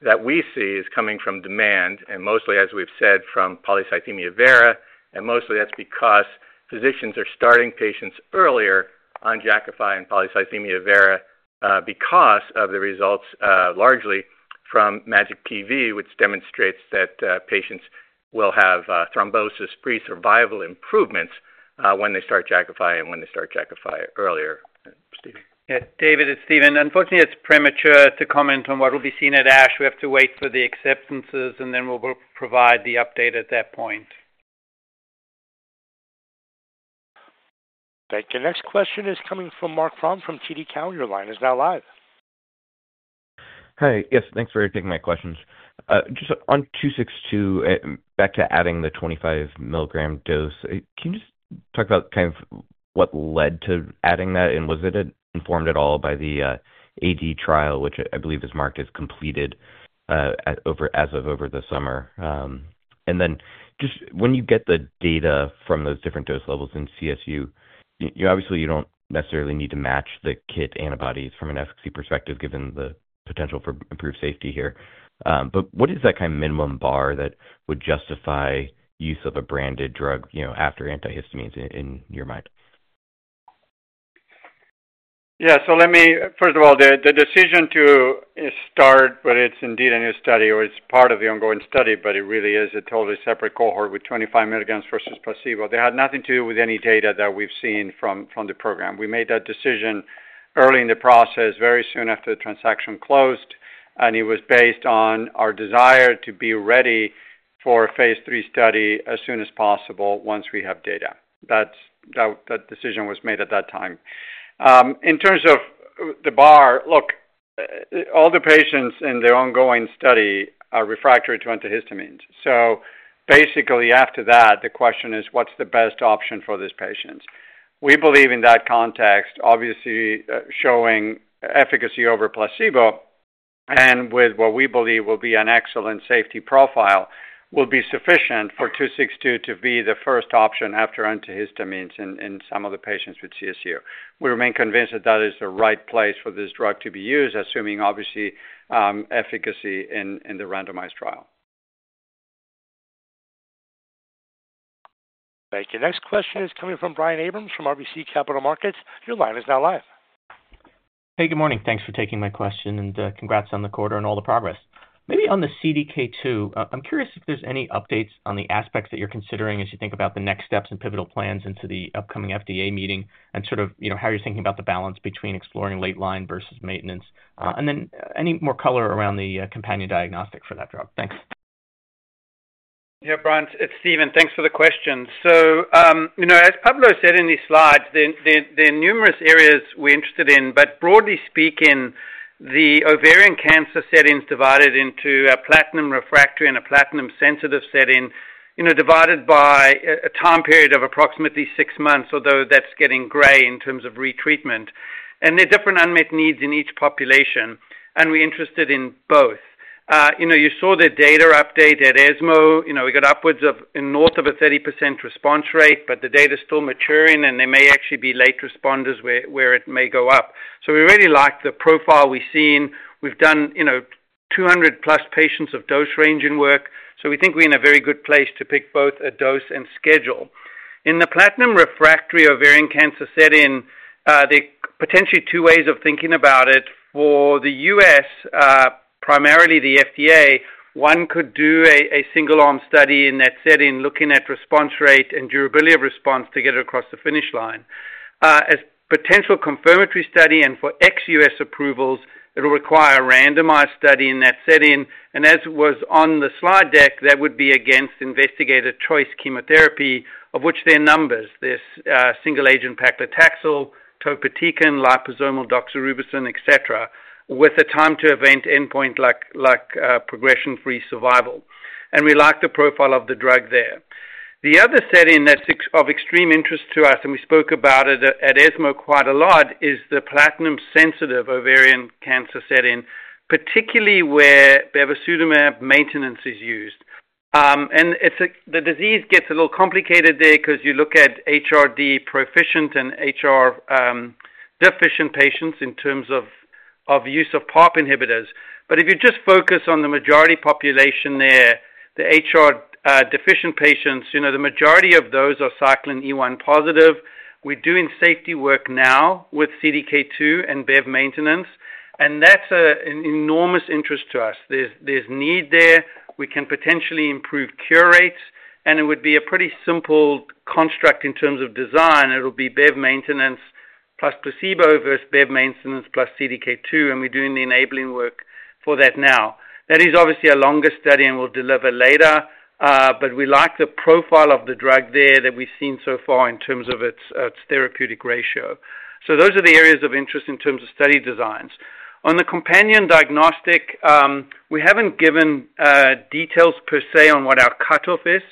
[SPEAKER 18] that we see is coming from demand and mostly, as we've said, from polycythemia vera. Mostly, that's because physicians are starting patients earlier on Jakafi and polycythemia vera because of the results largely from MAJIC-PV, which demonstrates that patients will have thrombosis-free survival improvements when they start Jakafi and when they start Jakafi earlier. Steven.
[SPEAKER 7] Yeah. David, it's Steven. Unfortunately, it's premature to comment on what we'll be seeing at ASH. We have to wait for the acceptances, and then we'll provide the update at that point.
[SPEAKER 1] Thank you. Next question is coming from Marc Frahm from TD Cowen. Now live.
[SPEAKER 19] Hi. Yes. Thanks for taking my questions. Just on 262, back to adding the 25-mg dose, can you just talk about kind of what led to adding that? And was it informed at all by the AD trial, which I believe is marked as completed as of over the summer? And then just when you get the data from those different dose levels in CSU, obviously, you don't necessarily need to match the CAD antibodies from an efficacy perspective given the potential for improved safety here. But what is that kind of minimum bar that would justify use of a branded drug after antihistamines in your mind?
[SPEAKER 4] Yeah. So let me, first of all, the decision to start, whether it's indeed a new study or it's part of the ongoing study, but it really is a totally separate cohort with 25 milligrams versus placebo. They had nothing to do with any data that we've seen from the program. We made that decision early in the process, very soon after the transaction closed, and it was based on our desire to be ready for a phase III study as soon as possible once we have data. That decision was made at that time. In terms of the bar, look, all the patients in the ongoing study are refractory to antihistamines. So basically, after that, the question is, what's the best option for these patients? We believe in that context, obviously showing efficacy over placebo and with what we believe will be an excellent safety profile will be sufficient for 262 to be the first option after antihistamines in some of the patients with CSU. We remain convinced that that is the right place for this drug to be used, assuming, obviously, efficacy in the randomized trial.
[SPEAKER 1] Thank you. Next question is coming from Brian Abrahams from RBC Capital Markets. Your line is now live.
[SPEAKER 20] Hey, good morning. Thanks for taking my question and congrats on the quarter and all the progress. Maybe on the CDK2, I'm curious if there's any updates on the aspects that you're considering as you think about the next steps and pivotal plans into the upcoming FDA meeting and sort of how you're thinking about the balance between exploring late line versus maintenance? And then any more color around the companion diagnostic for that drug? Thanks.
[SPEAKER 7] Yeah, Brian, it's Steven. Thanks for the question, so as Pablo said in these slides, there are numerous areas we're interested in, but broadly speaking, the ovarian cancer setting's divided into a platinum refractory and a platinum sensitive setting divided by a time period of approximately six months, although that's getting gray in terms of retreatment, and there are different unmet needs in each population, and we're interested in both. You saw the data update at ESMO. We got upwards of north of a 30% response rate, but the data's still maturing, and there may actually be late responders where it may go up, so we really like the profile we've seen. We've done 200+ patients of dose range in work, so we think we're in a very good place to pick both a dose and schedule. In the platinum refractory ovarian cancer setting, there are potentially two ways of thinking about it. For the U.S., primarily the FDA, one could do a single-arm study in that setting looking at response rate and durability of response to get it across the finish line. As a potential confirmatory study and for ex-U.S. approvals, it'll require a randomized study in that setting. And as was on the slide deck, that would be against investigator-choice chemotherapy, of which there are numbers. There's single-agent paclitaxel, topotecan, liposomal doxorubicin, etc., with a time-to-event endpoint like progression-free survival. And we like the profile of the drug there. The other setting that's of extreme interest to us, and we spoke about it at ESMO quite a lot, is the platinum-sensitive ovarian cancer setting, particularly where bevacizumab maintenance is used. The disease gets a little complicated there because you look at HRD proficient and HR deficient patients in terms of use of PARP inhibitors. But if you just focus on the majority population there, the HR deficient patients, the majority of those are cyclin E1 positive. We're doing safety work now with CDK2 and bev maintenance, and that's an enormous interest to us. There's need there. We can potentially improve cure rates, and it would be a pretty simple construct in terms of design. It'll be bev maintenance plus placebo versus bev maintenance plus CDK2, and we're doing the enabling work for that now. That is obviously a longer study and we'll deliver later, but we like the profile of the drug there that we've seen so far in terms of its therapeutic ratio. So those are the areas of interest in terms of study designs. On the companion diagnostic, we haven't given details per se on what our cutoff is,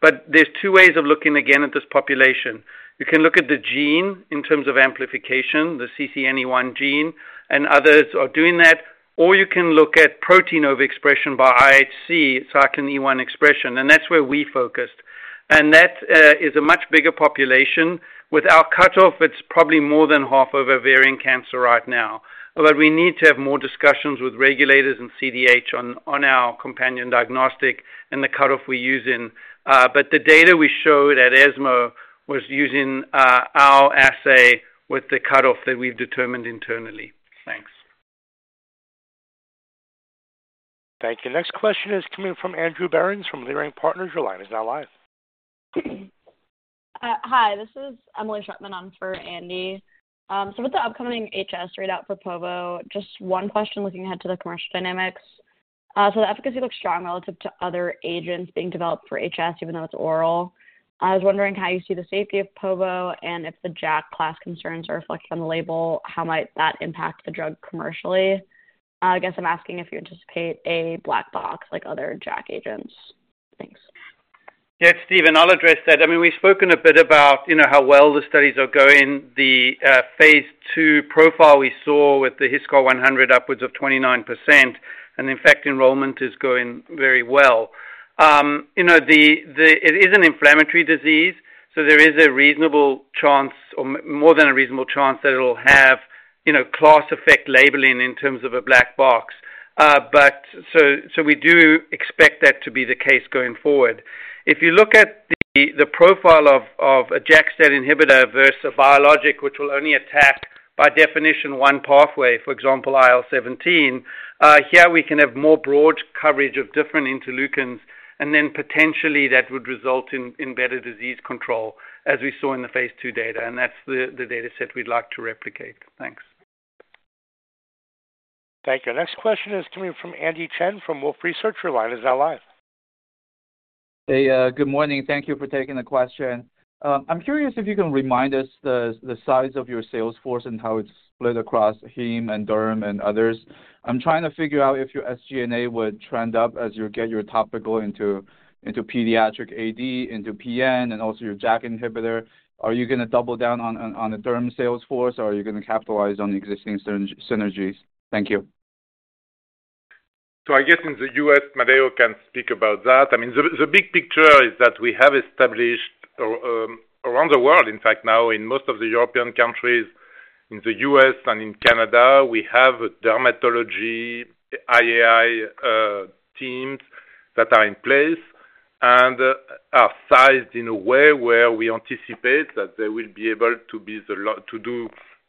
[SPEAKER 7] but there's two ways of looking again at this population. You can look at the gene in terms of amplification, the CCNE1 gene, and others are doing that. Or you can look at protein over-expression by IHC, cyclin E1 expression, and that's where we focused. And that is a much bigger population. With our cutoff, it's probably more than half of ovarian cancer right now. But we need to have more discussions with regulators and FDA on our companion diagnostic and the cutoff we're using. But the data we showed at ESMO was using our assay with the cutoff that we've determined internally. Thanks.
[SPEAKER 1] Thank you. Next question is coming from Andrew Berens from Leerink Partners. Your line is now live.
[SPEAKER 21] Hi, this is Emily Shutman on for Andy. So with the upcoming HS readout for povo, just one question looking ahead to the commercial dynamics. So the efficacy looks strong relative to other agents being developed for HS, even though it's oral. I was wondering how you see the safety of povo and if the JAK class concerns are reflected on the label, how might that impact the drug commercially? I guess I'm asking if you anticipate a black box like other JAK agents. Thanks.
[SPEAKER 7] Yeah, it's Steven. I'll address that. I mean, we've spoken a bit about how well the studies are going. The phase II profile we saw with the HiSCR 100 upwards of 29%, and in fact, enrollment is going very well. It is an inflammatory disease, so there is a reasonable chance or more than a reasonable chance that it'll have class-effect labeling in terms of a black box. So we do expect that to be the case going forward. If you look at the profile of a JAK-based inhibitor versus a biologic which will only attack by definition one pathway, for example, IL-17, here we can have more broad coverage of different interleukins, and then potentially that would result in better disease control as we saw in the phase II data, and that's the dataset we'd like to replicate. Thanks.
[SPEAKER 1] Thank you. Next question is coming from Andy Chen from Wolfe Research. Now live.
[SPEAKER 22] Hey, good morning. Thank you for taking the question. I'm curious if you can remind us the size of your sales force and how it's split across heme and derm and others. I'm trying to figure out if your SG&A would trend up as you get your topical into pediatric AD, into PN, and also your JAK inhibitor. Are you going to double down on the derm sales force, or are you going to capitalize on existing synergies? Thank you.
[SPEAKER 3] So I guess in the U.S., Matteo can speak about that. I mean, the big picture is that we have established around the world, in fact, now in most of the European countries, in the U.S. and in Canada, we have dermatology IAI teams that are in place and are sized in a way where we anticipate that they will be able to do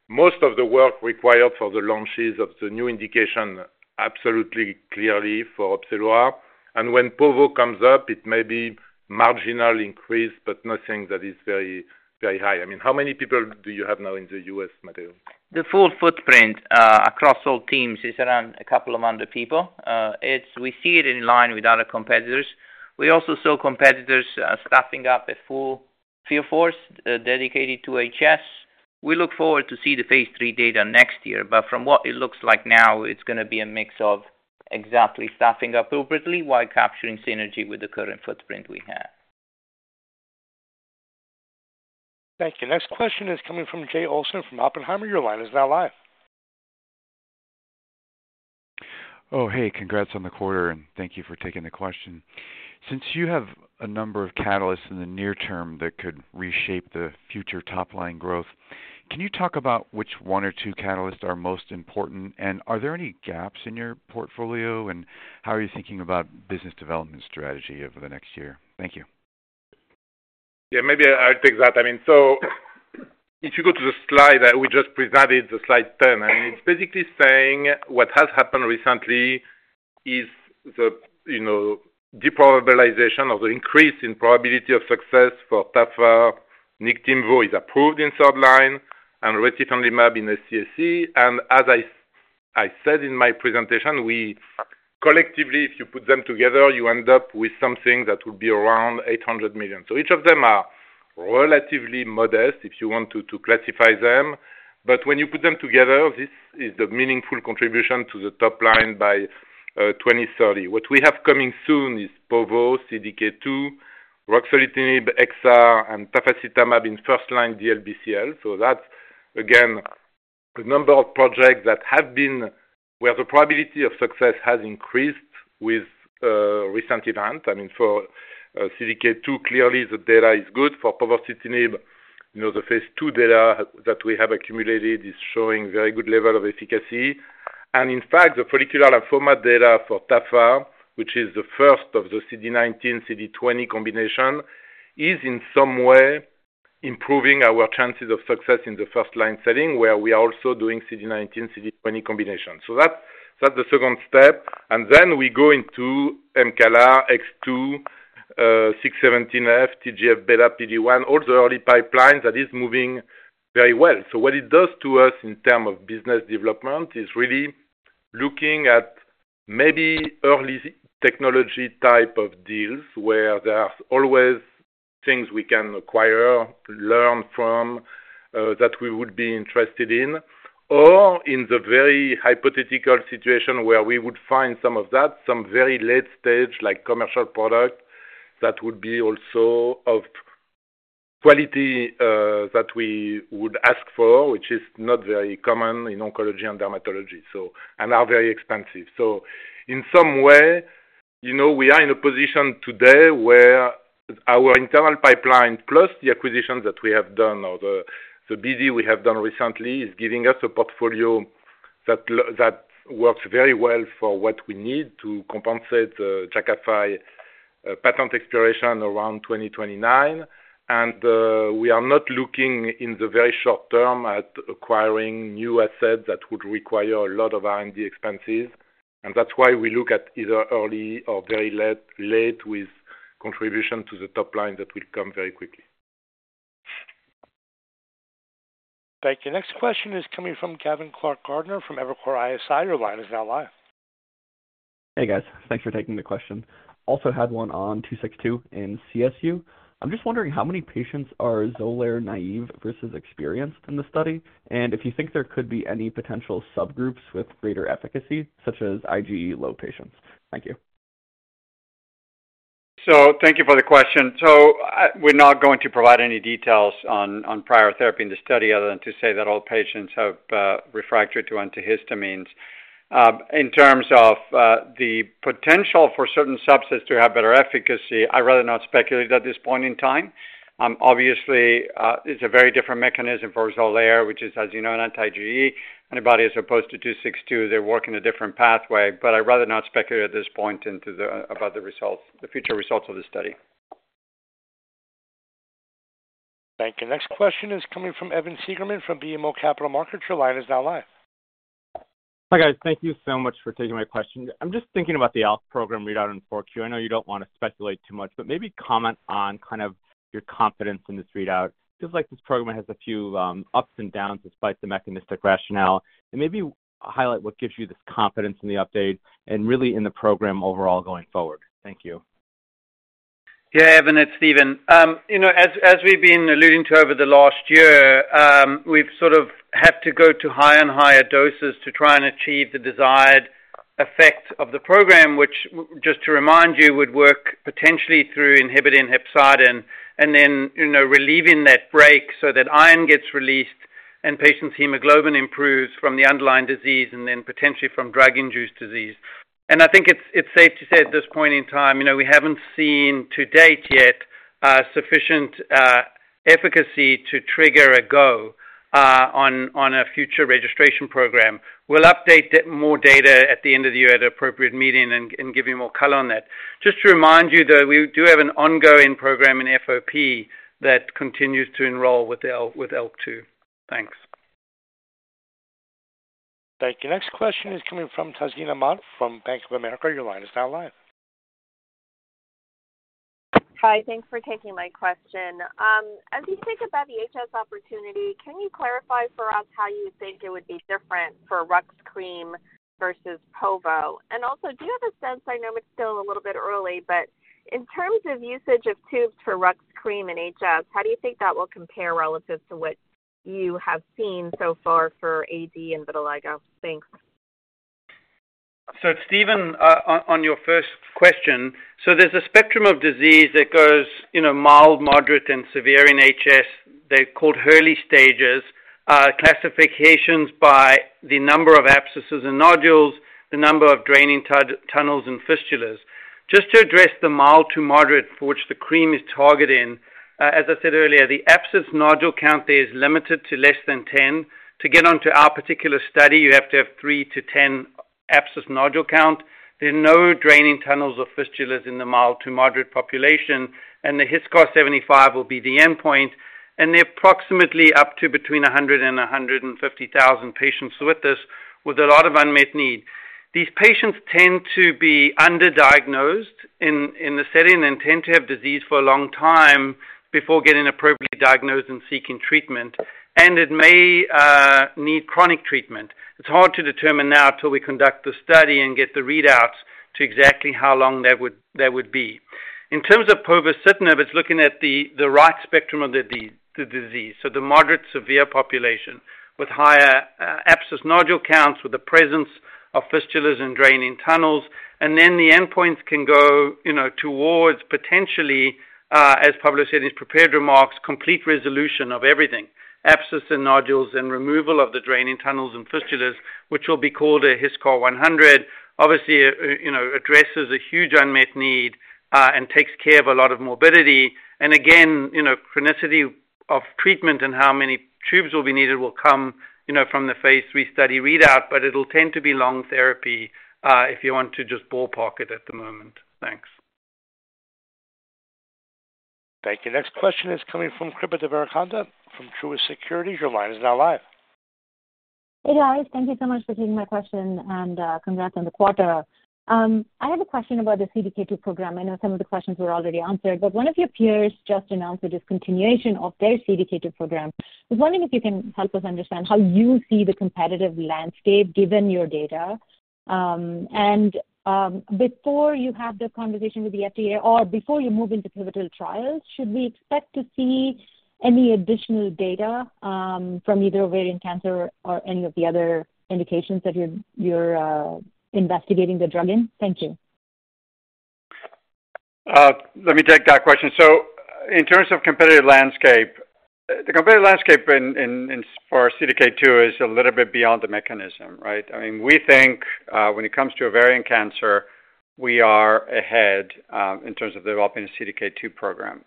[SPEAKER 3] most of the work required for the launches of the new indication absolutely clearly for OPZELURA. And when povo comes up, it may be marginal increase, but nothing that is very high. I mean, how many people do you have now in the U.S., Matteo?
[SPEAKER 11] The full footprint across all teams is around a couple of hundred people. We see it in line with other competitors. We also saw competitors staffing up a full field force dedicated to HS. We look forward to see the phase III data next year, but from what it looks like now, it's going to be a mix of exactly staffing up appropriately while capturing synergy with the current footprint we have.
[SPEAKER 1] Thank you. Next question is coming from Jay Olson from Oppenheimer. Your line is now live.
[SPEAKER 23] Oh, hey, congrats on the quarter, and thank you for taking the question. Since you have a number of catalysts in the near term that could reshape the future top-line growth, can you talk about which one or two catalysts are most important, and are there any gaps in your portfolio, and how are you thinking about business development strategy over the next year? Thank you.
[SPEAKER 3] Yeah, maybe I'll take that. I mean, so if you go to the slide that we just presented, the slide 10, I mean, it's basically saying what has happened recently is the derisking or the increase in probability of success for tafasitamab, Niktimvo is approved in third line and retifanlimab in SCAC. And as I said in my presentation, collectively, if you put them together, you end up with something that will be around $800 million. So each of them are relatively modest if you want to classify them. But when you put them together, this is the meaningful contribution to the top line by 2030. What we have coming soon is povorcitinib, CDK2, ruxolitinib XR, and tafasitamab in first line DLBCL. So that's, again, a number of projects that have been where the probability of success has increased with recent events. I mean, for CDK2, clearly the data is good. For povorcitinib, the phase II data that we have accumulated is showing very good level of efficacy. And in fact, the follicular lymphoma data for tafasitamab, which is the first of the CD19/CD20 combination, is in some way improving our chances of success in the first line setting where we are also doing CD19/CD20 combination. So that's the second step. And then we go into MRGPRX2, 617F, TGF-β, PD-1, all the early pipelines that is moving very well. So what it does to us in terms of business development is really looking at maybe early technology type of deals where there are always things we can acquire, learn from that we would be interested in, or in the very hypothetical situation where we would find some of that, some very late stage commercial product that would be also of quality that we would ask for, which is not very common in oncology and dermatology, and are very expensive. So in some way, we are in a position today where our internal pipeline plus the acquisitions that we have done or the BD we have done recently is giving us a portfolio that works very well for what we need to compensate the Jakafi patent expiration around 2029. And we are not looking in the very short term at acquiring new assets that would require a lot of R&D expenses. And that's why we look at either early or very late with contribution to the top line that will come very quickly.
[SPEAKER 1] Thank you. Next question is coming from Gavin Clark-Gartner from Evercore ISI. Your line is now live.
[SPEAKER 24] Hey, guys. Thanks for taking the question. Also had one on 262 in CSU. I'm just wondering how many patients are XOLAIR naive versus experienced in the study, and if you think there could be any potential subgroups with greater efficacy, such as IgE low patients? Thank you.
[SPEAKER 4] Thank you for the question. We're not going to provide any details on prior therapy in the study other than to say that all patients have refractory to antihistamines. In terms of the potential for certain subsets to have better efficacy, I'd rather not speculate at this point in time. Obviously, it's a very different mechanism for XOLAIR, which is, as you know, an anti-IgE antibody as opposed to 262. They work in a different pathway, but I'd rather not speculate at this point about the future results of the study.
[SPEAKER 1] Thank you. Next question is coming from Evan Seigerman from BMO Capital Markets. Your line is now live.
[SPEAKER 25] Hi, guys. Thank you so much for taking my question. I'm just thinking about the ALK2 program readout in 4Q. I know you don't want to speculate too much, but maybe comment on kind of your confidence in this readout. It feels like this program has a few ups and downs despite the mechanistic rationale, and maybe highlight what gives you this confidence in the update and really in the program overall going forward? Thank you.
[SPEAKER 7] Yeah, Evan, it's Steven. As we've been alluding to over the last year, we've sort of had to go to higher and higher doses to try and achieve the desired effect of the program, which, just to remind you, would work potentially through inhibiting hepcidin and then relieving that brake so that iron gets released and patient's hemoglobin improves from the underlying disease and then potentially from drug-induced disease. And I think it's safe to say at this point in time, we haven't seen to date yet sufficient efficacy to trigger a go on a future registration program. We'll update more data at the end of the year at an appropriate meeting and give you more color on that. Just to remind you, though, we do have an ongoing program in FOP that continues to enroll with ALK2. Thanks.
[SPEAKER 1] Thank you. Next question is coming from Tazeen Ahmad from Bank of America. Your line is now live.
[SPEAKER 26] Hi, thanks for taking my question. As you think about the HS opportunity, can you clarify for us how you think it would be different for rux cream versus povo? And also, do you have a sense, I know it's still a little bit early, but in terms of usage of tubes for rux cream in HS, how do you think that will compare relative to what you have seen so far for AD and vitiligo? Thanks.
[SPEAKER 7] Steven on your first question, there's a spectrum of disease that goes mild, moderate, and severe in HS. They're called Hurley stages, classified by the number of abscesses and nodules, the number of draining tunnels, and fistulas. Just to address the mild to moderate for which the cream is targeting, as I said earlier, the abscess nodule count there is limited to less than 10. To get onto our particular study, you have to have three to 10 abscess nodule count. There are no draining tunnels or fistulas in the mild to moderate population, and the HiSCR-75 will be the endpoint. They're approximately up to between 100,000 and 150,000 patients with this, with a lot of unmet need. These patients tend to be underdiagnosed in the setting and tend to have disease for a long time before getting appropriately diagnosed and seeking treatment, and it may need chronic treatment. It's hard to determine now until we conduct the study and get the readouts to exactly how long that would be. In terms of povorcitinib, it's looking at the right spectrum of the disease, so the moderate-severe population with higher abscess nodule counts with the presence of fistulas and draining tunnels, and then the endpoints can go towards potentially, as Pablo said in his prepared remarks, complete resolution of everything: abscess and nodules and removal of the draining tunnels and fistulas, which will be called a HiSCR-100. Obviously, it addresses a huge unmet need and takes care of a lot of morbidity. Again, chronicity of treatment and how many tubes will be needed will come from the phase III study readout, but it'll tend to be long therapy if you want to just ballpark it at the moment. Thanks.
[SPEAKER 1] Thank you. Next question is coming from Kripa Devarakonda from Truist Securities. Your line is now live.
[SPEAKER 27] Hey, guys. Thank you so much for taking my question, and congrats on the quarter. I have a question about the CDK2 program. I know some of the questions were already answered, but one of your peers just announced the discontinuation of their CDK2 program. I was wondering if you can help us understand how you see the competitive landscape given your data. And before you have the conversation with the FDA or before you move into pivotal trials, should we expect to see any additional data from either ovarian cancer or any of the other indications that you're investigating the drug in? Thank you.
[SPEAKER 4] Let me take that question. So in terms of competitive landscape, the competitive landscape for CDK2 is a little bit beyond the mechanism, right? I mean, we think when it comes to ovarian cancer, we are ahead in terms of developing a CDK2 program.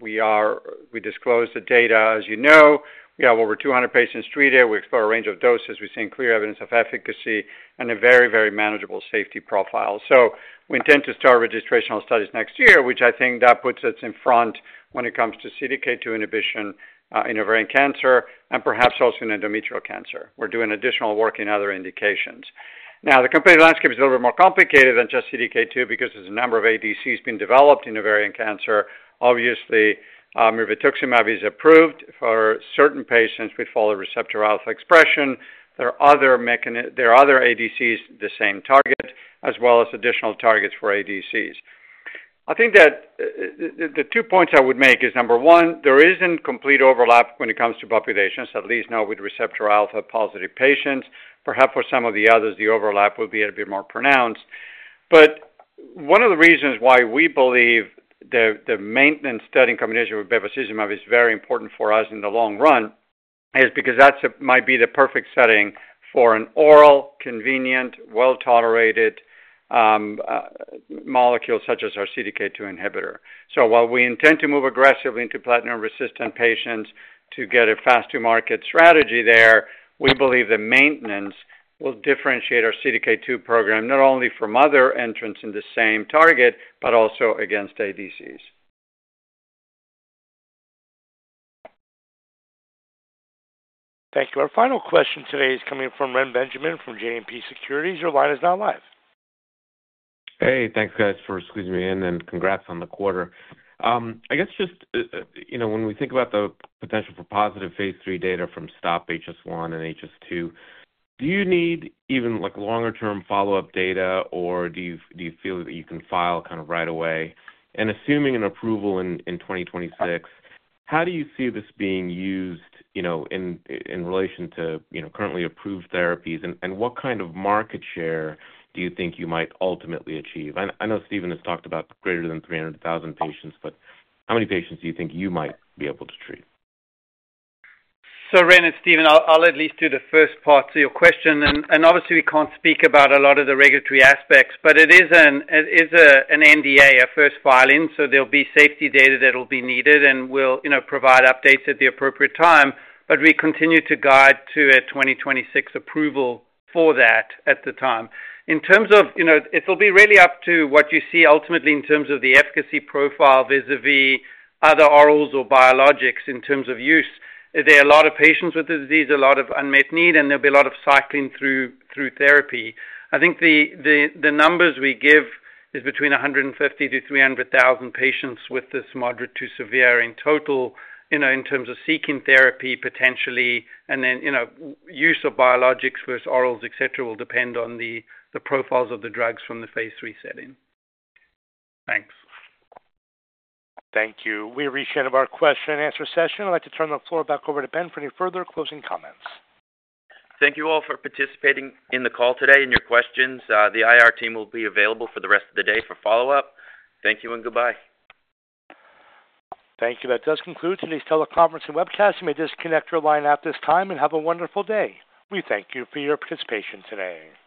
[SPEAKER 4] We disclose the data, as you know. We have over 200 patients treated. We explore a range of doses. We've seen clear evidence of efficacy and a very, very manageable safety profile. So we intend to start registrational studies next year, which I think that puts us in front when it comes to CDK2 inhibition in ovarian cancer and perhaps also in endometrial cancer. We're doing additional work in other indications. Now, the competitive landscape is a little bit more complicated than just CDK2 because there's a number of ADCs being developed in ovarian cancer. Obviously, mirvetuximab is approved for certain patients with folate receptor alpha expression. There are other ADCs, the same target, as well as additional targets for ADCs. I think that the two points I would make is, number one, there isn't complete overlap when it comes to populations, at least now with receptor alpha-positive patients. Perhaps for some of the others, the overlap will be a bit more pronounced. But one of the reasons why we believe the maintenance study in combination with bevacizumab is very important for us in the long run is because that might be the perfect setting for an oral, convenient, well-tolerated molecule such as CDK2 inhibitor. so while we intend to move aggressively into platinum-resistant patients to get a fast-to-market strategy there, we believe the maintenance will differentiate our CDK2 program not only from other entrants in the same target, but also against ADCs.
[SPEAKER 1] Thank you. Our final question today is coming from Reni Benjamin from JMP Securities. Your line is now live.
[SPEAKER 28] Hey, thanks, guys, for squeezing me in, and congrats on the quarter. I guess just when we think about the potential for positive phase III data from STOP-HS1, and HS2, do you need even longer-term follow-up data, or do you feel that you can file kind of right away, and assuming an approval in 2026, how do you see this being used in relation to currently approved therapies, and what kind of market share do you think you might ultimately achieve? I know Steven has talked about greater than 300,000 patients, but how many patients do you think you might be able to treat?
[SPEAKER 7] Reni it's Steven, I'll at least do the first part to your question. Obviously, we can't speak about a lot of the regulatory aspects, but it is an NDA, a first filing, so there'll be safety data that'll be needed and will provide updates at the appropriate time. We continue to guide to a 2026 approval for that at the time. In terms of it'll be really up to what you see ultimately in terms of the efficacy profile vis-à-vis other orals or biologics in terms of use. There are a lot of patients with the disease, a lot of unmet need, and there'll be a lot of cycling through therapy. I think the numbers we give is between 150,000-300,000 patients with this moderate to severe in total in terms of seeking therapy potentially. Use of biologics versus orals, etc., will depend on the profiles of the drugs from the phase III setting. Thanks.
[SPEAKER 1] Thank you. We reached the end of our question-and-answer session. I'd like to turn the floor back over to Ben for any further closing comments.
[SPEAKER 2] Thank you all for participating in the call today and your questions. The IR team will be available for the rest of the day for follow-up. Thank you and goodbye.
[SPEAKER 1] Thank you. That does conclude today's teleconference and webcast. You may disconnect your line at this time and have a wonderful day. We thank you for your participation today.